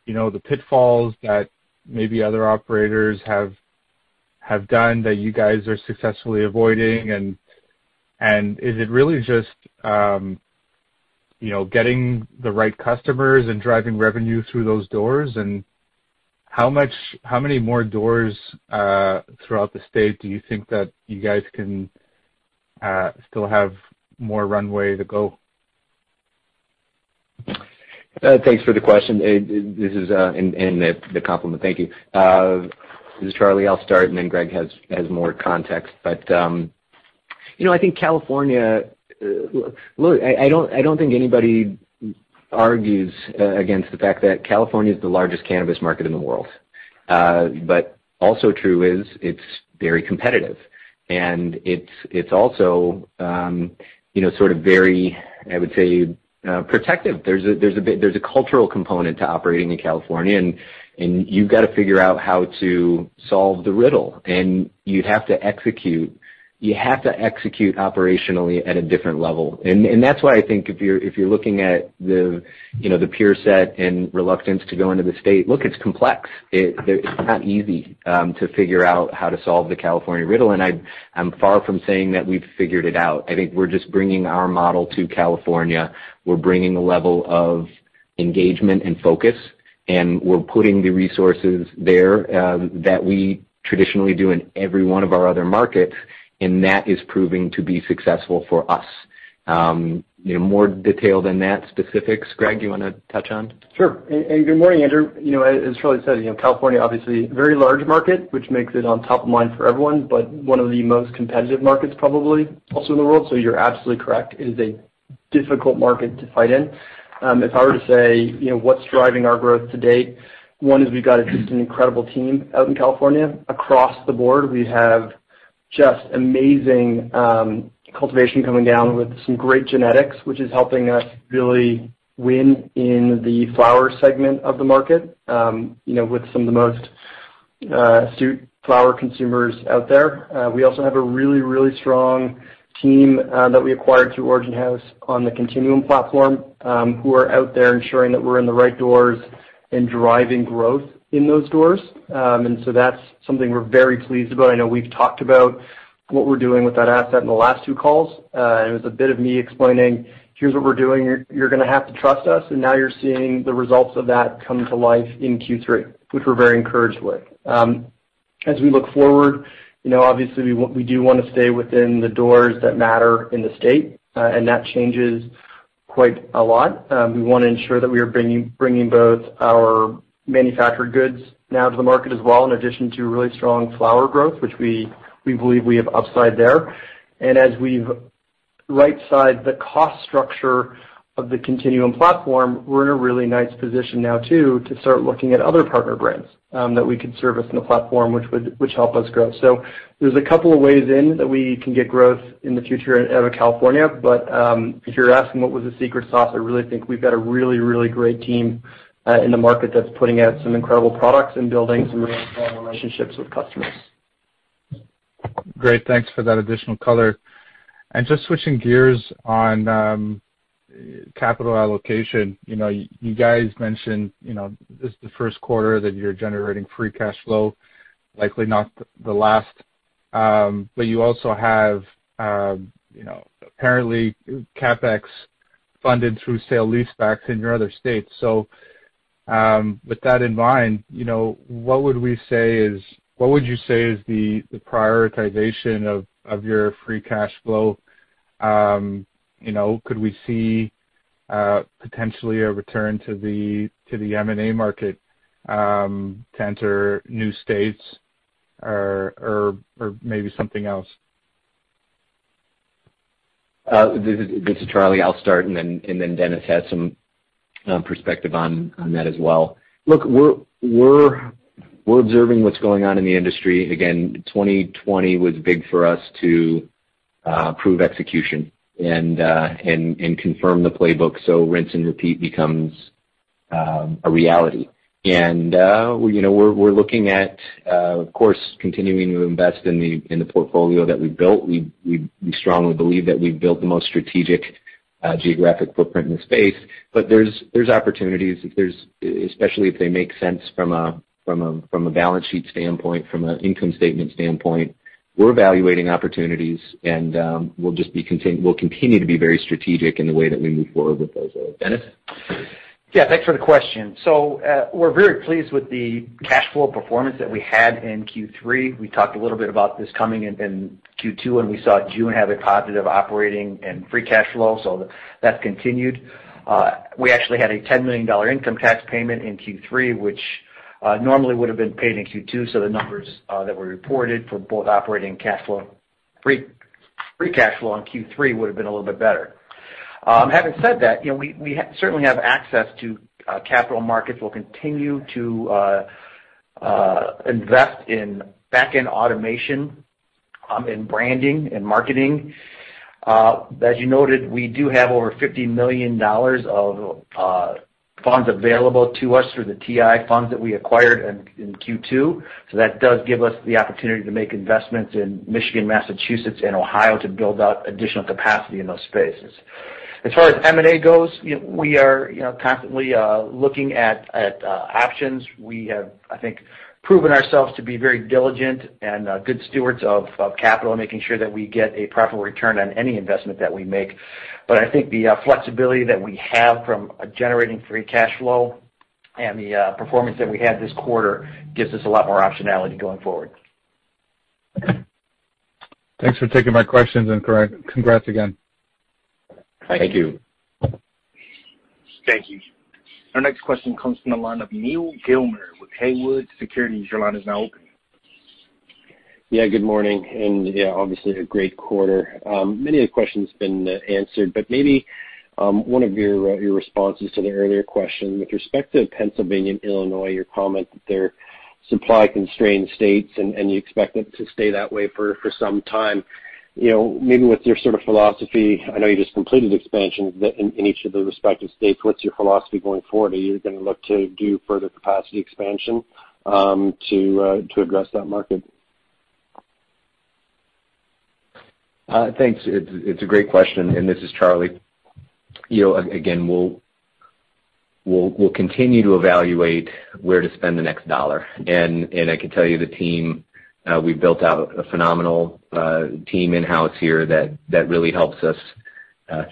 you know, the pitfalls that maybe other operators have done that you guys are successfully avoiding? And is it really just, you know, getting the right customers and driving revenue through those doors? And how much, how many more doors throughout the state do you think that you guys can still have more runway to go? Thanks for the question and the compl.ment, thank you. This is Charlie. I'll start, and then Greg has more context. But you know, I think California, look, I don't think anybody argues against the fact that California is the largest cannabis market in the world. But also true is, it's very competitive, and it's also, you know, sort of very, I would say, protective. There's a cultural component to operating in California, and you've got to figure out how to solve the riddle, and you'd have to execute. You have to execute operationally at a different level. And that's why I think if you're looking at the, you know, the peer set and reluctance to go into the state, look, it's complex. It's not easy to figure out how to solve the California riddle, and I'm far from saying that we've figured it out. I think we're just bringing our model to California. We're bringing a level of engagement and focus, and we're putting the resources there that we traditionally do in every one of our other markets, and that is proving to be successful for us. You know, more detail than that, specifics, Greg, you want to touch on? Sure. And good morning, Andrew. You know, as Charlie said, you know, California, obviously a very large market, which makes it on top of mind for everyone, but one of the most competitive markets, probably also in the world. So you're absolutely correct. It is a difficult market to fight in. If I were to say, you know, what's driving our growth to date, one is we've got just an incredible team out in California. Across the board, we have just amazing cultivation coming down with some great genetics, which is helping us really win in the flower segment of the market, you know, with some of the most astute flower consumers out there. We also have a really, really strong team that we acquired through Origin House on the Continuum platform, who are out there ensuring that we're in the right doors and driving growth in those doors, and so that's something we're very pleased about. I know we've talked about what we're doing with that asset in the last two calls, and it was a bit of me explaining, here's what we're doing, you're gonna have to trust us, and now you're seeing the results of that come to life in Q3, which we're very encouraged with. As we look forward, you know, obviously, we do wanna stay within the doors that matter in the state, and that changes quite a lot. We wanna ensure that we are bringing both our manufactured goods now to the market as well, in addition to really strong flower growth, which we believe we have upside there. And as we've right-sized the cost structure of the Continuum platform, we're in a really nice position now, too, to start looking at other partner brands that we could service in the platform, which would help us grow. So there's a couple of ways in that we can get growth in the future out of California, but if you're asking what was the secret sauce, I really think we've got a really great team in the market that's putting out some incredible products and building some really strong relationships with customers. Great, thanks for that additional color. And just switching gears on capital allocation. You know, you guys mentioned, you know, this is the first quarter that you're generating free cash flow, likely not the last. But you also have, you know, apparently CapEx funded through sale-leasebacks in your other states. So, with that in mind, you know, what would we say is? What would you say is the prioritization of your free cash flow? You know, could we see potentially a return to the M&A market to enter new states or maybe something else? This is Charlie. I'll start, and then Dennis has some perspective on that as well. Look, we're observing what's going on in the industry. Again, 2020 was big for us to prove execution and confirm the playbook, so rinse and repeat becomes a reality. You know, we're looking at, of course, continuing to invest in the portfolio that we built. We strongly believe that we've built the most strategic geographic footprint in the space. But there's opportunities, if there's especially if they make sense from a balance sheet standpoint, from an income statement standpoint. We're evaluating opportunities, and we'll just continue to be very strategic in the way that we move forward with those. Dennis? Yeah, thanks for the question. So, we're very pleased with the cash flow performance that we had in Q3. We talked a little bit about this coming in, in Q2, and we saw June have a positive operating and free cash flow, so that's continued. We actually had a $10 million income tax payment in Q3, which normally would have been paid in Q2, so the numbers that were reported for both operating cash flow, free cash flow on Q3 would have been a little bit better. Having said that, you know, we certainly have access to capital markets. We'll continue to invest in back-end automation, in branding and marketing. As you noted, we do have over $50 million of funds available to us through the TI funds that we acquired in Q2, so that does give us the opportunity to make investments in Michigan, Massachusetts, and Ohio to build out additional capacity in those spaces. As far as M&A goes, we are, you know, constantly looking at options. We have, I think, proven ourselves to be very diligent and good stewards of capital, making sure that we get a proper return on any investment that we make. But I think the flexibility that we have from generating free cash flow and the performance that we had this quarter gives us a lot more optionality going forward. Thanks for taking my questions, and congrats again. Thank you. Thank you. Thank you. Our next question comes from the line of Neal Gilmer with Haywood Securities. Your line is now open. Yeah, good morning, and, yeah, obviously, a great quarter. Many of the questions been answered, but maybe, one of your responses to an earlier question. With respect to Pennsylvania and Illinois, your comment that they're supply-constrained states, and you expect it to stay that way for some time, you know, maybe with your sort of philosophy, I know you just completed expansion in each of the respective states, what's your philosophy going forward? Are you gonna look to do further capacity expansion, to address that market? Thanks. It's a great question, and this is Charlie. You know, again, we'll continue to evaluate where to spend the next dollar. And I can tell you, the team, we've built out a phenomenal team in-house here that really helps us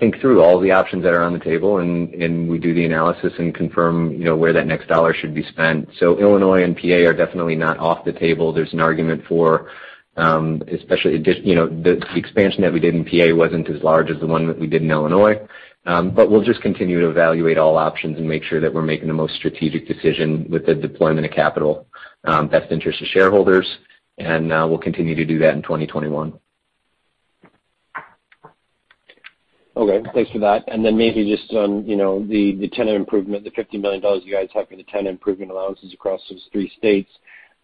think through all the options that are on the table, and we do the analysis and confirm, you know, where that next dollar should be spent. So Illinois and PA are definitely not off the table. There's an argument for, especially just, you know... The expansion that we did in PA wasn't as large as the one that we did in Illinois. But we'll just continue to evaluate all options and make sure that we're making the most strategic decision with the deployment of capital, best interest of shareholders. We'll continue to do that in 2021. Okay, thanks for that. And then maybe just on, you know, the, the tenant improvement, the $50 million you guys have for the tenant improvement allowances across those three states,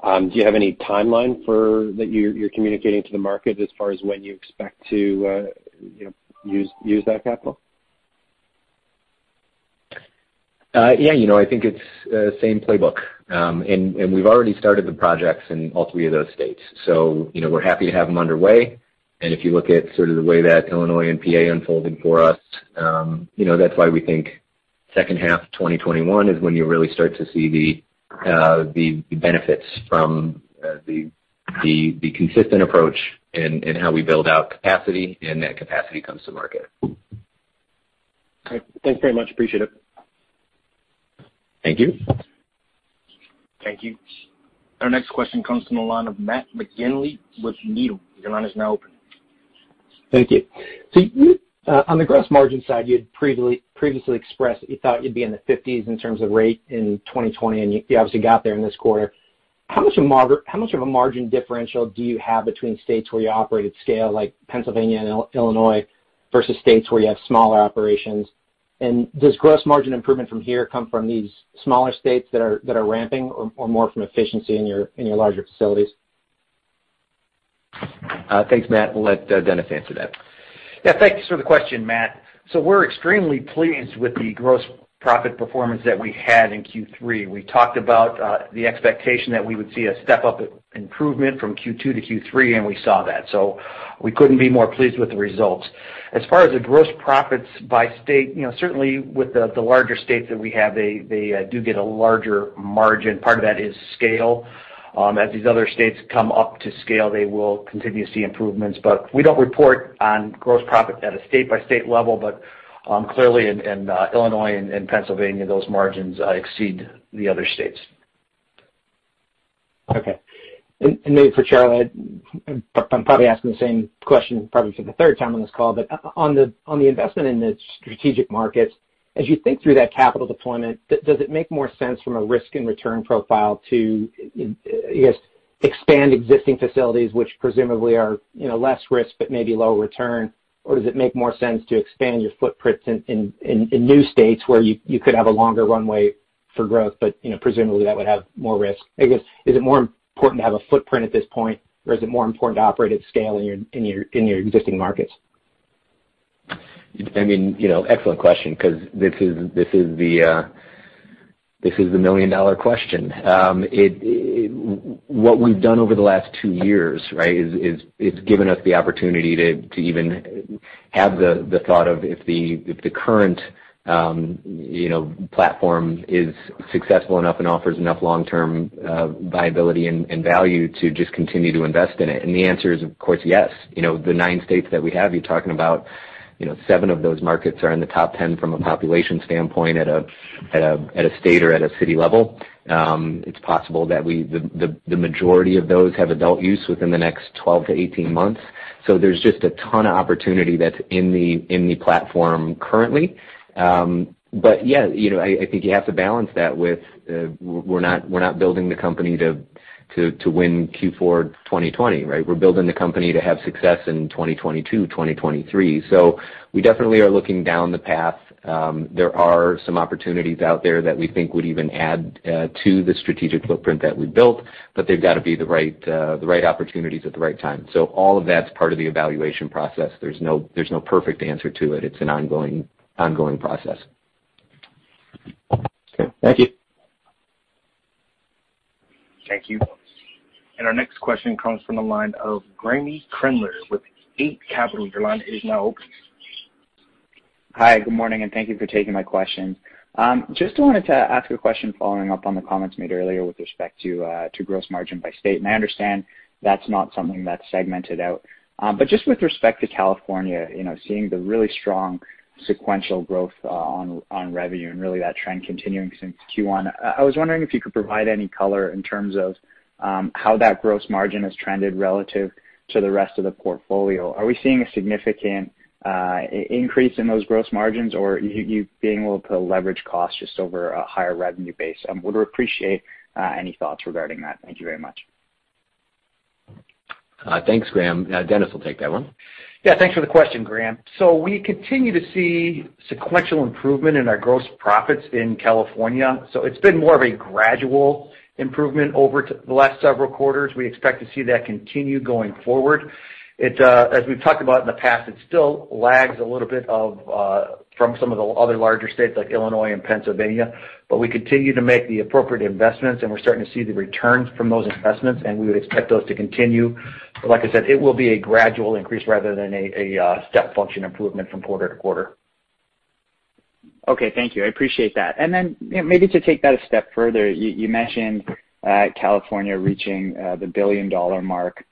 do you have any timeline for that you're communicating to the market as far as when you expect to, you know, use that capital? Yeah, you know, I think it's same playbook. And we've already started the projects in all three of those states. So, you know, we're happy to have them underway. And if you look at sort of the way that Illinois and PA unfolded for us, you know, that's why we think second half of 2021 is when you'll really start to see the benefits from the consistent approach in how we build out capacity, and that capacity comes to market. Okay. Thanks very much. Appreciate it. Thank you. Thank you. Our next question comes from the line of Matt McGinley with Needham. Your line is now open. Thank you. So you on the gross margin side, you had previously expressed that you thought you'd be in the 50s% in terms of rate in 2020, and you obviously got there in this quarter. How much of a margin differential do you have between states where you operate at scale, like Pennsylvania and Illinois, versus states where you have smaller operations? And does gross margin improvement from here come from these smaller states that are ramping or more from efficiency in your larger facilities? Thanks, Matt. We'll let Dennis answer that. Yeah, thanks for the question, Matt. So we're extremely pleased with the gross profit performance that we had in Q3. We talked about the expectation that we would see a step-up improvement from Q2 to Q3, and we saw that. So we couldn't be more pleased with the results. As far as the gross profits by state, you know, certainly, with the larger states that we have, they do get a larger margin. Part of that is scale. As these other states come up to scale, they will continue to see improvements. But we don't report on gross profit at a state-by-state level, but clearly, in Illinois and Pennsylvania, those margins exceed the other states. Okay. And maybe for Charlie, I'm probably asking the same question probably for the third time on this call. But on the investment in the strategic markets, as you think through that capital deployment, does it make more sense from a risk and return profile to, I guess, expand existing facilities, which presumably are, you know, less risk, but maybe lower return? Or does it make more sense to expand your footprints in new states where you could have a longer runway for growth, but, you know, presumably that would have more risk? I guess, is it more important to have a footprint at this point, or is it more important to operate at scale in your existing markets? I mean, you know, excellent question because this is the million-dollar question. What we've done over the last two years, right, is it's given us the opportunity to even have the thought of if the current, you know, platform is successful enough and offers enough long-term viability and value to just continue to invest in it. And the answer is, of course, yes. You know, the nine states that we have, you're talking about, you know, seven of those markets are in the top 10 from a population standpoint at a state or at a city level. It's possible that the majority of those have adult use within the next 12 to 18 months. So there's just a ton of opportunity that's in the platform currently. But yeah, you know, I think you have to balance that with, we're not, we're not building the company to win Q4 2020, right? We're building the company to have success in 2022, 2023. So we definitely are looking down the path. There are some opportunities out there that we think would even add to the strategic footprint that we built, but they've got to be the right, the right opportunities at the right time. So all of that's part of the evaluation process. There's no perfect answer to it. It's an ongoing process. Okay. Thank you. Thank you. And our next question comes from the line of Graeme Kreindler with Eight Capital. Your line is now open. Hi, good morning, and thank you for taking my question. Just wanted to ask a question following up on the comments made earlier with respect to gross margin by state. I understand that's not something that's segmented out. But just with respect to California, you know, seeing the really strong sequential growth on revenue and really that trend continuing since Q1, I was wondering if you could provide any color in terms of how that gross margin has trended relative to the rest of the portfolio. Are we seeing a significant increase in those gross margins, or you being able to leverage costs just over a higher revenue base? Would appreciate any thoughts regarding that. Thank you very much. Thanks, Graeme. Dennis will take that one. Yeah, thanks for the question, Graeme. So we continue to see sequential improvement in our gross profits in California. So it's been more of a gradual improvement over the last several quarters. We expect to see that continue going forward. It, as we've talked about in the past, it still lags a little bit of, from some of the other larger states like Illinois and Pennsylvania, but we continue to make the appropriate investments, and we're starting to see the returns from those investments, and we would expect those to continue. Like I said, it will be a gradual increase rather than a step function improvement from quarter-to-quarter. Okay, thank you. I appreciate that and then, you know, maybe to take that a step further, you mentioned California reaching the $1 billion mark,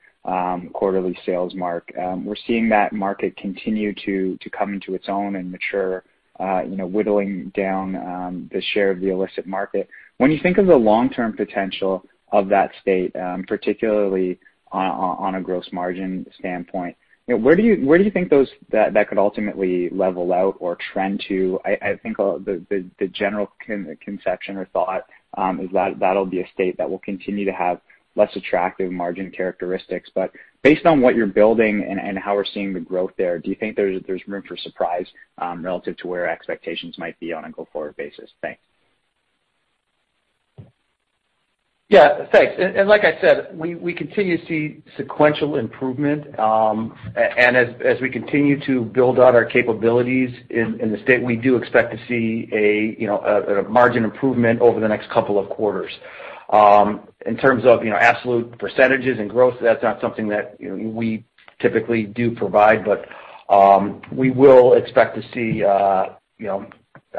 quarterly sales mark. We're seeing that market continue to come into its own and mature, you know, whittling down the share of the illicit market. When you think of the long-term potential of that state, particularly on a gross margin standpoint, you know, where do you think those that could ultimately level out or trend to? I think all the general consensus or thought is that that'll be a state that will continue to have less attractive margin characteristics. But based on what you're building and how we're seeing the growth there, do you think there's room for surprise relative to where expectations might be on a go-forward basis? Thanks. Yeah, thanks. And like I said, we continue to see sequential improvement. And as we continue to build out our capabilities in the state, we do expect to see a, you know, a margin improvement over the next couple of quarters. In terms of, you know, absolute percentages and growth, that's not something that, you know, we typically do provide, but we will expect to see, you know,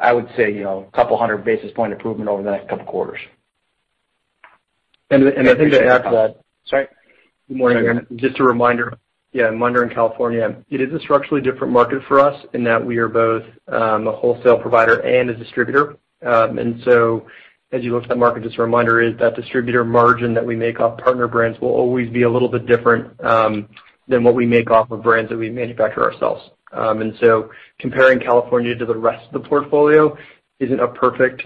I would say, you know, a couple hundred basis point improvement over the next couple quarters. I think to add to that- Sorry. Good morning, everyone. Just a reminder, yeah, in California, it is a structurally different market for us in that we are both a wholesale provider and a distributor, and so as you look at the market, just a reminder is that distributor margin that we make off partner brands will always be a little bit different than what we make off of brands that we manufacture ourselves, and so comparing California to the rest of the portfolio isn't a perfect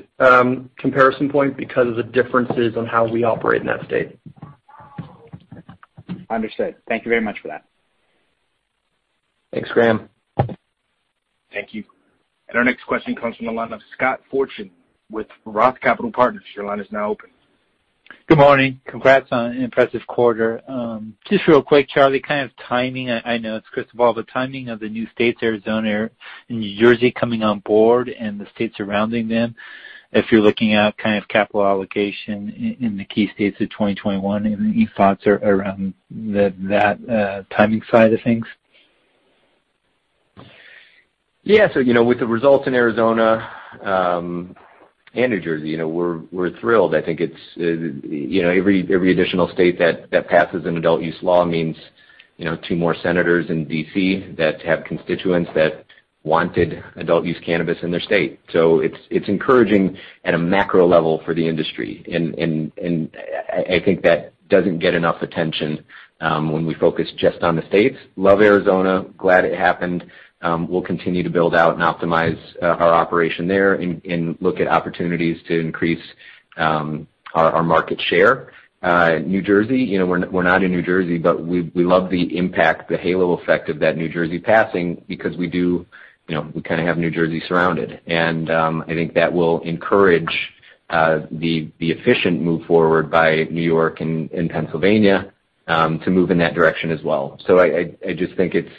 comparison point because of the differences on how we operate in that state. Understood. Thank you very much for that. Thanks, Graeme. Thank you, and our next question comes from the line of Scott Fortune with Roth Capital Partners. Your line is now open. Good morning. Congrats on an impressive quarter. Just real quick, Charlie, kind of timing, I know it's crystal ball, the timing of the new states, Arizona and New Jersey, coming on board and the states surrounding them, if you're looking at kind of capital allocation in the key states of 2021, any thoughts around that timing side of things? Yeah, so, you know, with the results in Arizona, and New Jersey, you know, we're thrilled. I think it's, you know, every additional state that passes an adult use law means, you know, two more senators in D.C. that have constituents that wanted adult use cannabis in their state. So it's encouraging at a macro level for the industry. And I think that doesn't get enough attention, when we focus just on the states. Love Arizona, glad it happened. We'll continue to build out and optimize our operation there and look at opportunities to increase our market share. New Jersey, you know, we're not in New Jersey, but we love the impact, the halo effect of that New Jersey passing because we do, you know, we kind of have New Jersey surrounded. And I think that will encourage the efficient move forward by New York and Pennsylvania to move in that direction as well. So I just think it's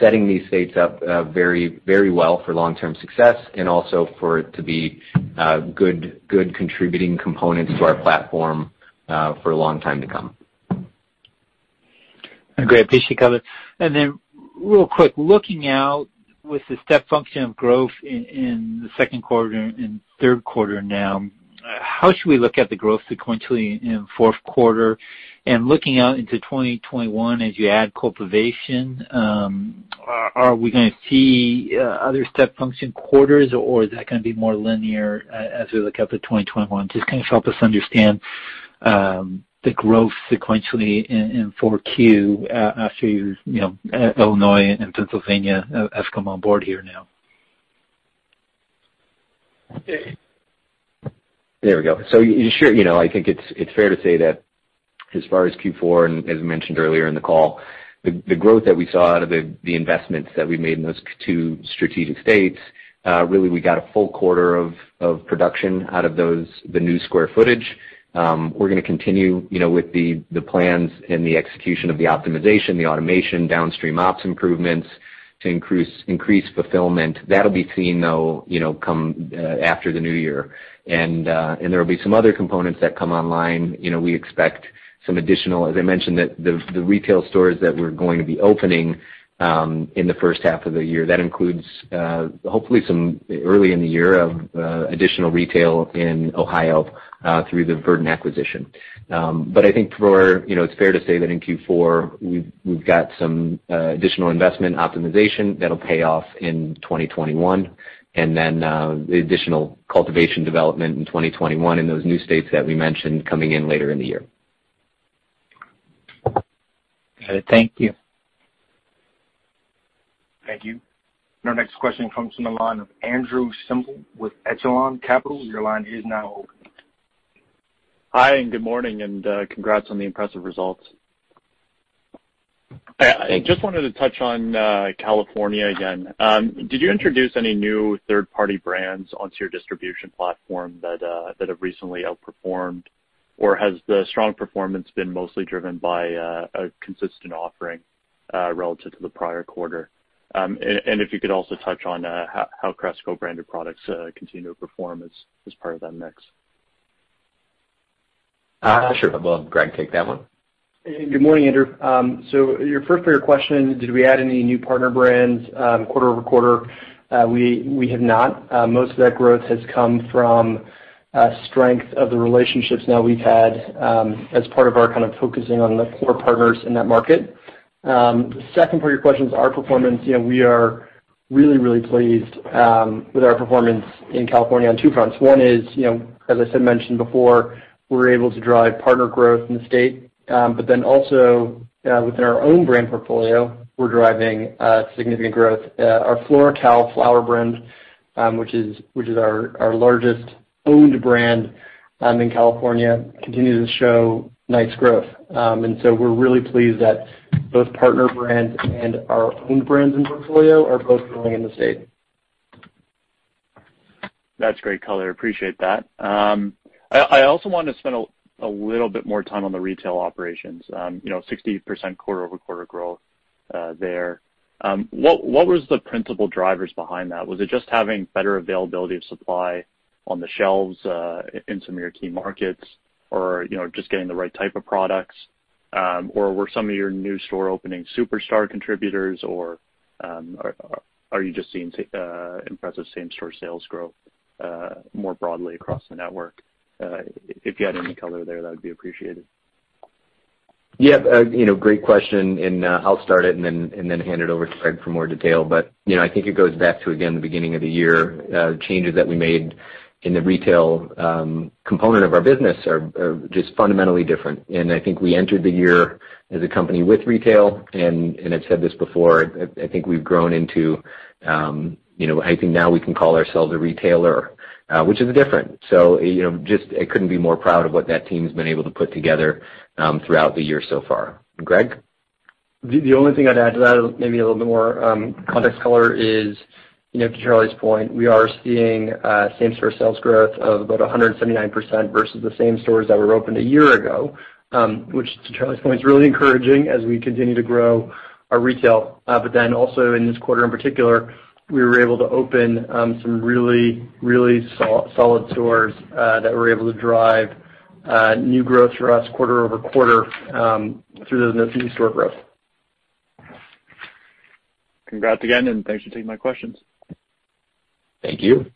setting these states up very, very well for long-term success and also for it to be good, good contributing components to our platform for a long time to come. Great. Appreciate it. And then, real quick, looking out with the step function of growth in the second quarter and third quarter now, how should we look at the growth sequentially in fourth quarter? And looking out into 2021, as you add cultivation, are we gonna see other step function quarters, or is that gonna be more linear as we look out to 2021? Just kind of help us understand the growth sequentially in 4Q after you know, Illinois and Pennsylvania have come on board here now. There we go. So sure, you know, I think it's fair to say that as far as Q4, and as mentioned earlier in the call, the growth that we saw out of the investments that we made in those two strategic states, really, we got a full quarter of production out of those, the new square footage. We're gonna continue, you know, with the plans and the execution of the optimization, the automation, downstream ops improvements to increase fulfillment. That'll be seen, though, you know, come after the new year. And there will be some other components that come online. You know, we expect some additional. As I mentioned, that the retail stores that we're going to be opening in the first half of the year, that includes hopefully some early in the year of additional retail in Ohio through the Verdant acquisition. But I think for, you know, it's fair to say that in Q4, we've got some additional investment optimization that'll pay off in 2021, and then the additional cultivation development in 2021 in those new states that we mentioned coming in later in the year. Got it. Thank you. Thank you. And our next question comes from the line of Andrew Semple with Echelon Capital. Your line is now open. Hi, and good morning, and congrats on the impressive results. I just wanted to touch on California again. Did you introduce any new third-party brands onto your distribution platform that have recently outperformed, or has the strong performance been mostly driven by a consistent offering relative to the prior quarter, and if you could also touch on how Cresco branded products continue to perform as part of that mix. Sure. We'll have Greg take that one. Good morning, Andrew. So your first part of your question, did we add any new partner brands, quarter-over-quarter? We have not. Most of that growth has come from strength of the relationships now we've had, as part of our kind of focusing on the core partners in that market. Second part of your question is our performance. You know, we are really, really pleased with our performance in California on two fronts. One is, you know, as I said, mentioned before, we're able to drive partner growth in the state. But then also, within our own brand portfolio, we're driving significant growth. Our FloraCal flower brand, which is our largest owned brand in California, continues to show nice growth. And so we're really pleased that both partner brands and our own brands and portfolio are both growing in the state. That's great color. I appreciate that. I also want to spend a little bit more time on the retail operations. You know, 60% quarter-over-quarter growth there. What was the principal drivers behind that? Was it just having better availability of supply on the shelves in some of your key markets, or you know, just getting the right type of products? Or were some of your new store openings superstar contributors, or are you just seeing impressive same-store sales growth more broadly across the network? If you had any color there, that would be appreciated. Yeah, you know, great question, and, I'll start it and then hand it over to Greg for more detail. But, you know, I think it goes back to, again, the beginning of the year, changes that we made in the retail component of our business are just fundamentally different. And I think we entered the year as a company with retail, and I've said this before, I think we've grown into, you know, I think now we can call ourselves a retailer, which is different. So, you know, just I couldn't be more proud of what that team's been able to put together throughout the year so far. Greg? The only thing I'd add to that, maybe a little bit more context color is, you know, to Charlie's point, we are seeing same-store sales growth of about 179% versus the same stores that were opened a year ago, which, to Charlie's point, is really encouraging as we continue to grow our retail. But then also in this quarter in particular, we were able to open some really solid stores that were able to drive new growth for us quarter over quarter through the new store growth. Congrats again, and thanks for taking my questions. Thank you.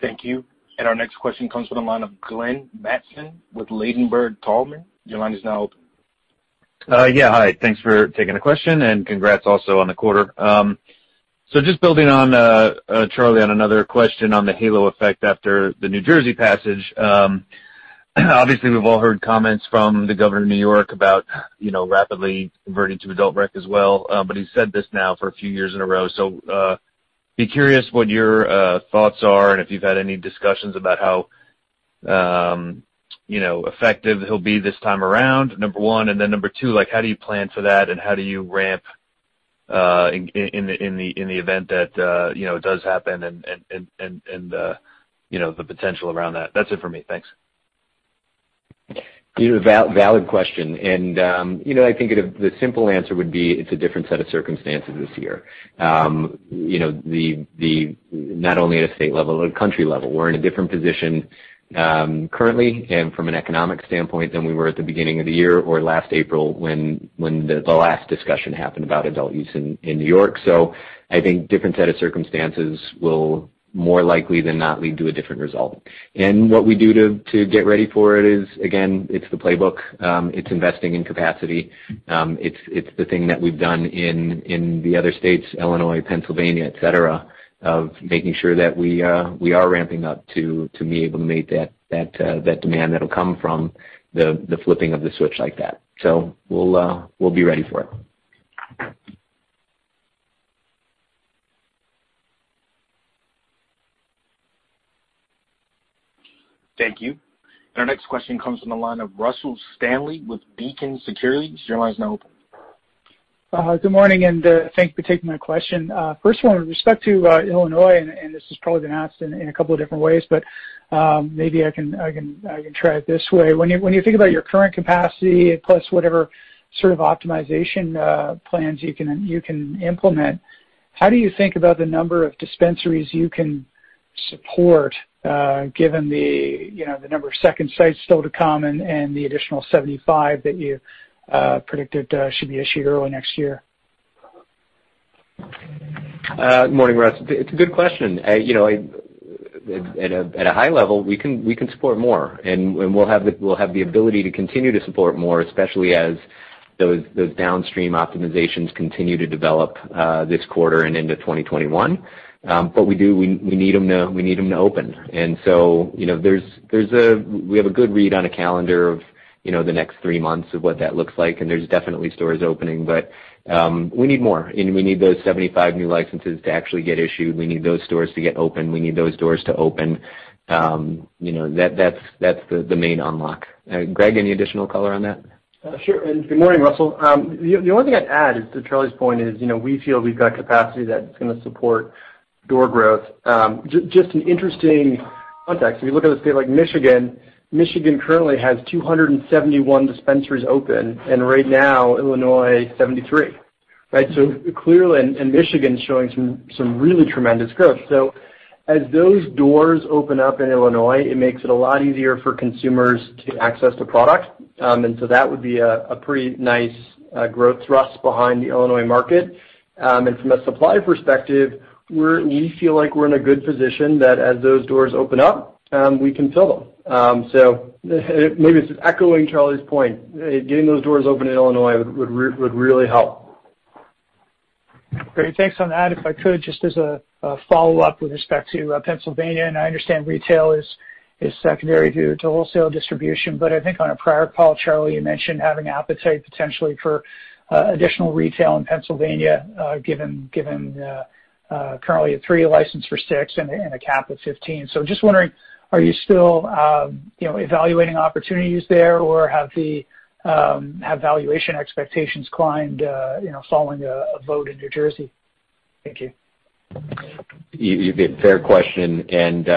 Thank you. And our next question comes from the line of Glenn Mattson with Ladenburg Thalmann. Your line is now open. Yeah, hi, thanks for taking the question, and congrats also on the quarter. So just building on, Charlie, on another question on the halo effect after the New Jersey passage, obviously, we've all heard comments from the Governor of New York about, you know, rapidly converting to adult rec as well. But he's said this now for a few years in a row. So, be curious what your thoughts are and if you've had any discussions about how, you know, effective he'll be this time around, number one. And then number two, like, how do you plan for that, and how do you ramp in the event that, you know, it does happen and you know, the potential around that? That's it for me. Thanks. You know, valid question, and, you know, I think the simple answer would be it's a different set of circumstances this year. You know, not only at a state level, but country level. We're in a different position, currently and from an economic standpoint than we were at the beginning of the year or last April when the last discussion happened about adult use in New York. So I think different set of circumstances will more likely than not lead to a different result. And what we do to get ready for it is, again, it's the playbook. It's investing in capacity. It's the thing that we've done in the other states, Illinois, Pennsylvania, et cetera, of making sure that we are ramping up to be able to meet that demand that'll come from the flipping of the switch like that. So we'll be ready for it. Thank you. And our next question comes from the line of Russell Stanley with Beacon Securities. Your line is now open. Good morning, and thanks for taking my question. First of all, with respect to Illinois, and this has probably been asked in a couple of different ways, but maybe I can try it this way. When you think about your current capacity, plus whatever sort of optimization plans you can implement, how do you think about the number of dispensaries you can support, given the, you know, the number of second sites still to come and the additional 75 that you predicted should be issued early next year? Good morning, Russ. It's a good question. You know, at a high level, we can support more, and we'll have the ability to continue to support more, especially as those downstream optimizations continue to develop this quarter and into 2021. But we need them to open. So, you know, we have a good read on a calendar of the next three months of what that looks like, and there's definitely stores opening. But we need more, and we need those 75 new licenses to actually get issued. We need those stores to get open. We need those doors to open. You know, that's the main unlock. Greg, any additional color on that? Sure. Good morning, Russell. The only thing I'd add to Charlie's point is, you know, we feel we've got capacity that's gonna support door growth. Just an interesting context. If you look at a state like Michigan, Michigan currently has 271 dispensaries open, and right now, Illinois, 73, right? So clearly, Michigan's showing some really tremendous growth. As those doors open up in Illinois, it makes it a lot easier for consumers to access the product. And so that would be a pretty nice growth thrust behind the Illinois market. And from a supply perspective, we feel like we're in a good position that as those doors open up, we can fill them. So maybe it's echoing Charlie's point, getting those doors open in Illinois would really help. Great. Thanks on that. If I could, just as a follow-up with respect to Pennsylvania, and I understand retail is secondary to wholesale distribution, but I think on a prior call, Charlie, you mentioned having appetite potentially for additional retail in Pennsylvania, given currently a three license for six and a cap of 15. So just wondering, are you still, you know, evaluating opportunities there, or have the valuation expectations climbed, you know, following a vote in New Jersey? Thank you. Yeah, fair question. And,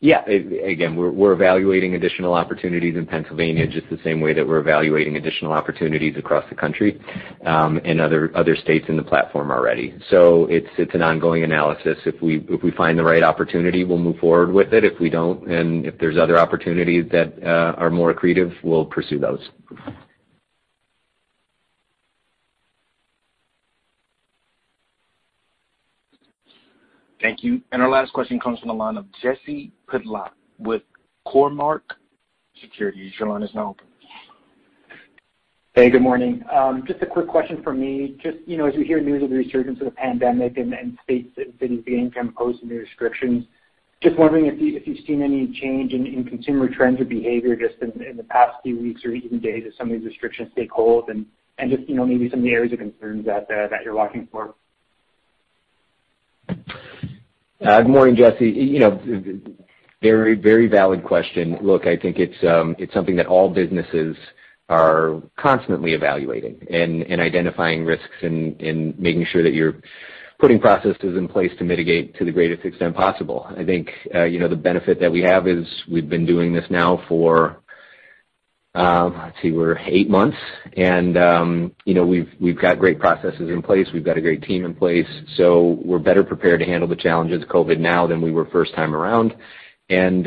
yeah, again, we're evaluating additional opportunities in Pennsylvania, just the same way that we're evaluating additional opportunities across the country, and other states in the platform already. So it's an ongoing analysis. If we find the right opportunity, we'll move forward with it. If we don't, and if there's other opportunities that are more accretive, we'll pursue those. Thank you. And our last question comes from the line of Jesse Pytlak with Cormark Securities. Your line is now open. Hey, good morning. Just a quick question from me. Just, you know, as we hear news of the resurgence of the pandemic and states and cities beginning to impose new restrictions, just wondering if you, if you've seen any change in consumer trends or behavior just in the past few weeks or even days as some of these restrictions take hold, and just, you know, maybe some areas of concerns that you're watching for? Good morning, Jesse. You know, very, very valid question. Look, I think it's something that all businesses are constantly evaluating and identifying risks and making sure that you're putting processes in place to mitigate to the greatest extent possible. I think, you know, the benefit that we have is we've been doing this now for, let's see, we're eight months, and, you know, we've got great processes in place. We've got a great team in place, so we're better prepared to handle the challenges of COVID now than we were first time around. And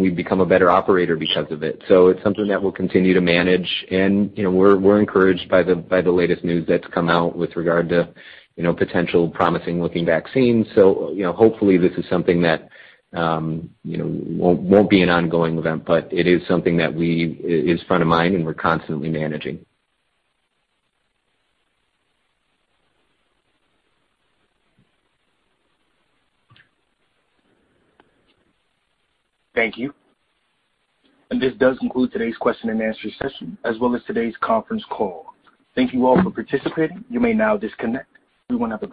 we've become a better operator because of it. So it's something that we'll continue to manage and, you know, we're encouraged by the latest news that's come out with regard to, you know, potential promising looking vaccines. So, you know, hopefully, this is something that, you know, won't be an ongoing event, but it is something that is front of mind, and we're constantly managing. Thank you. And this does conclude today's question and answer session, as well as today's conference call. Thank you all for participating. You may now disconnect. Everyone have a great day.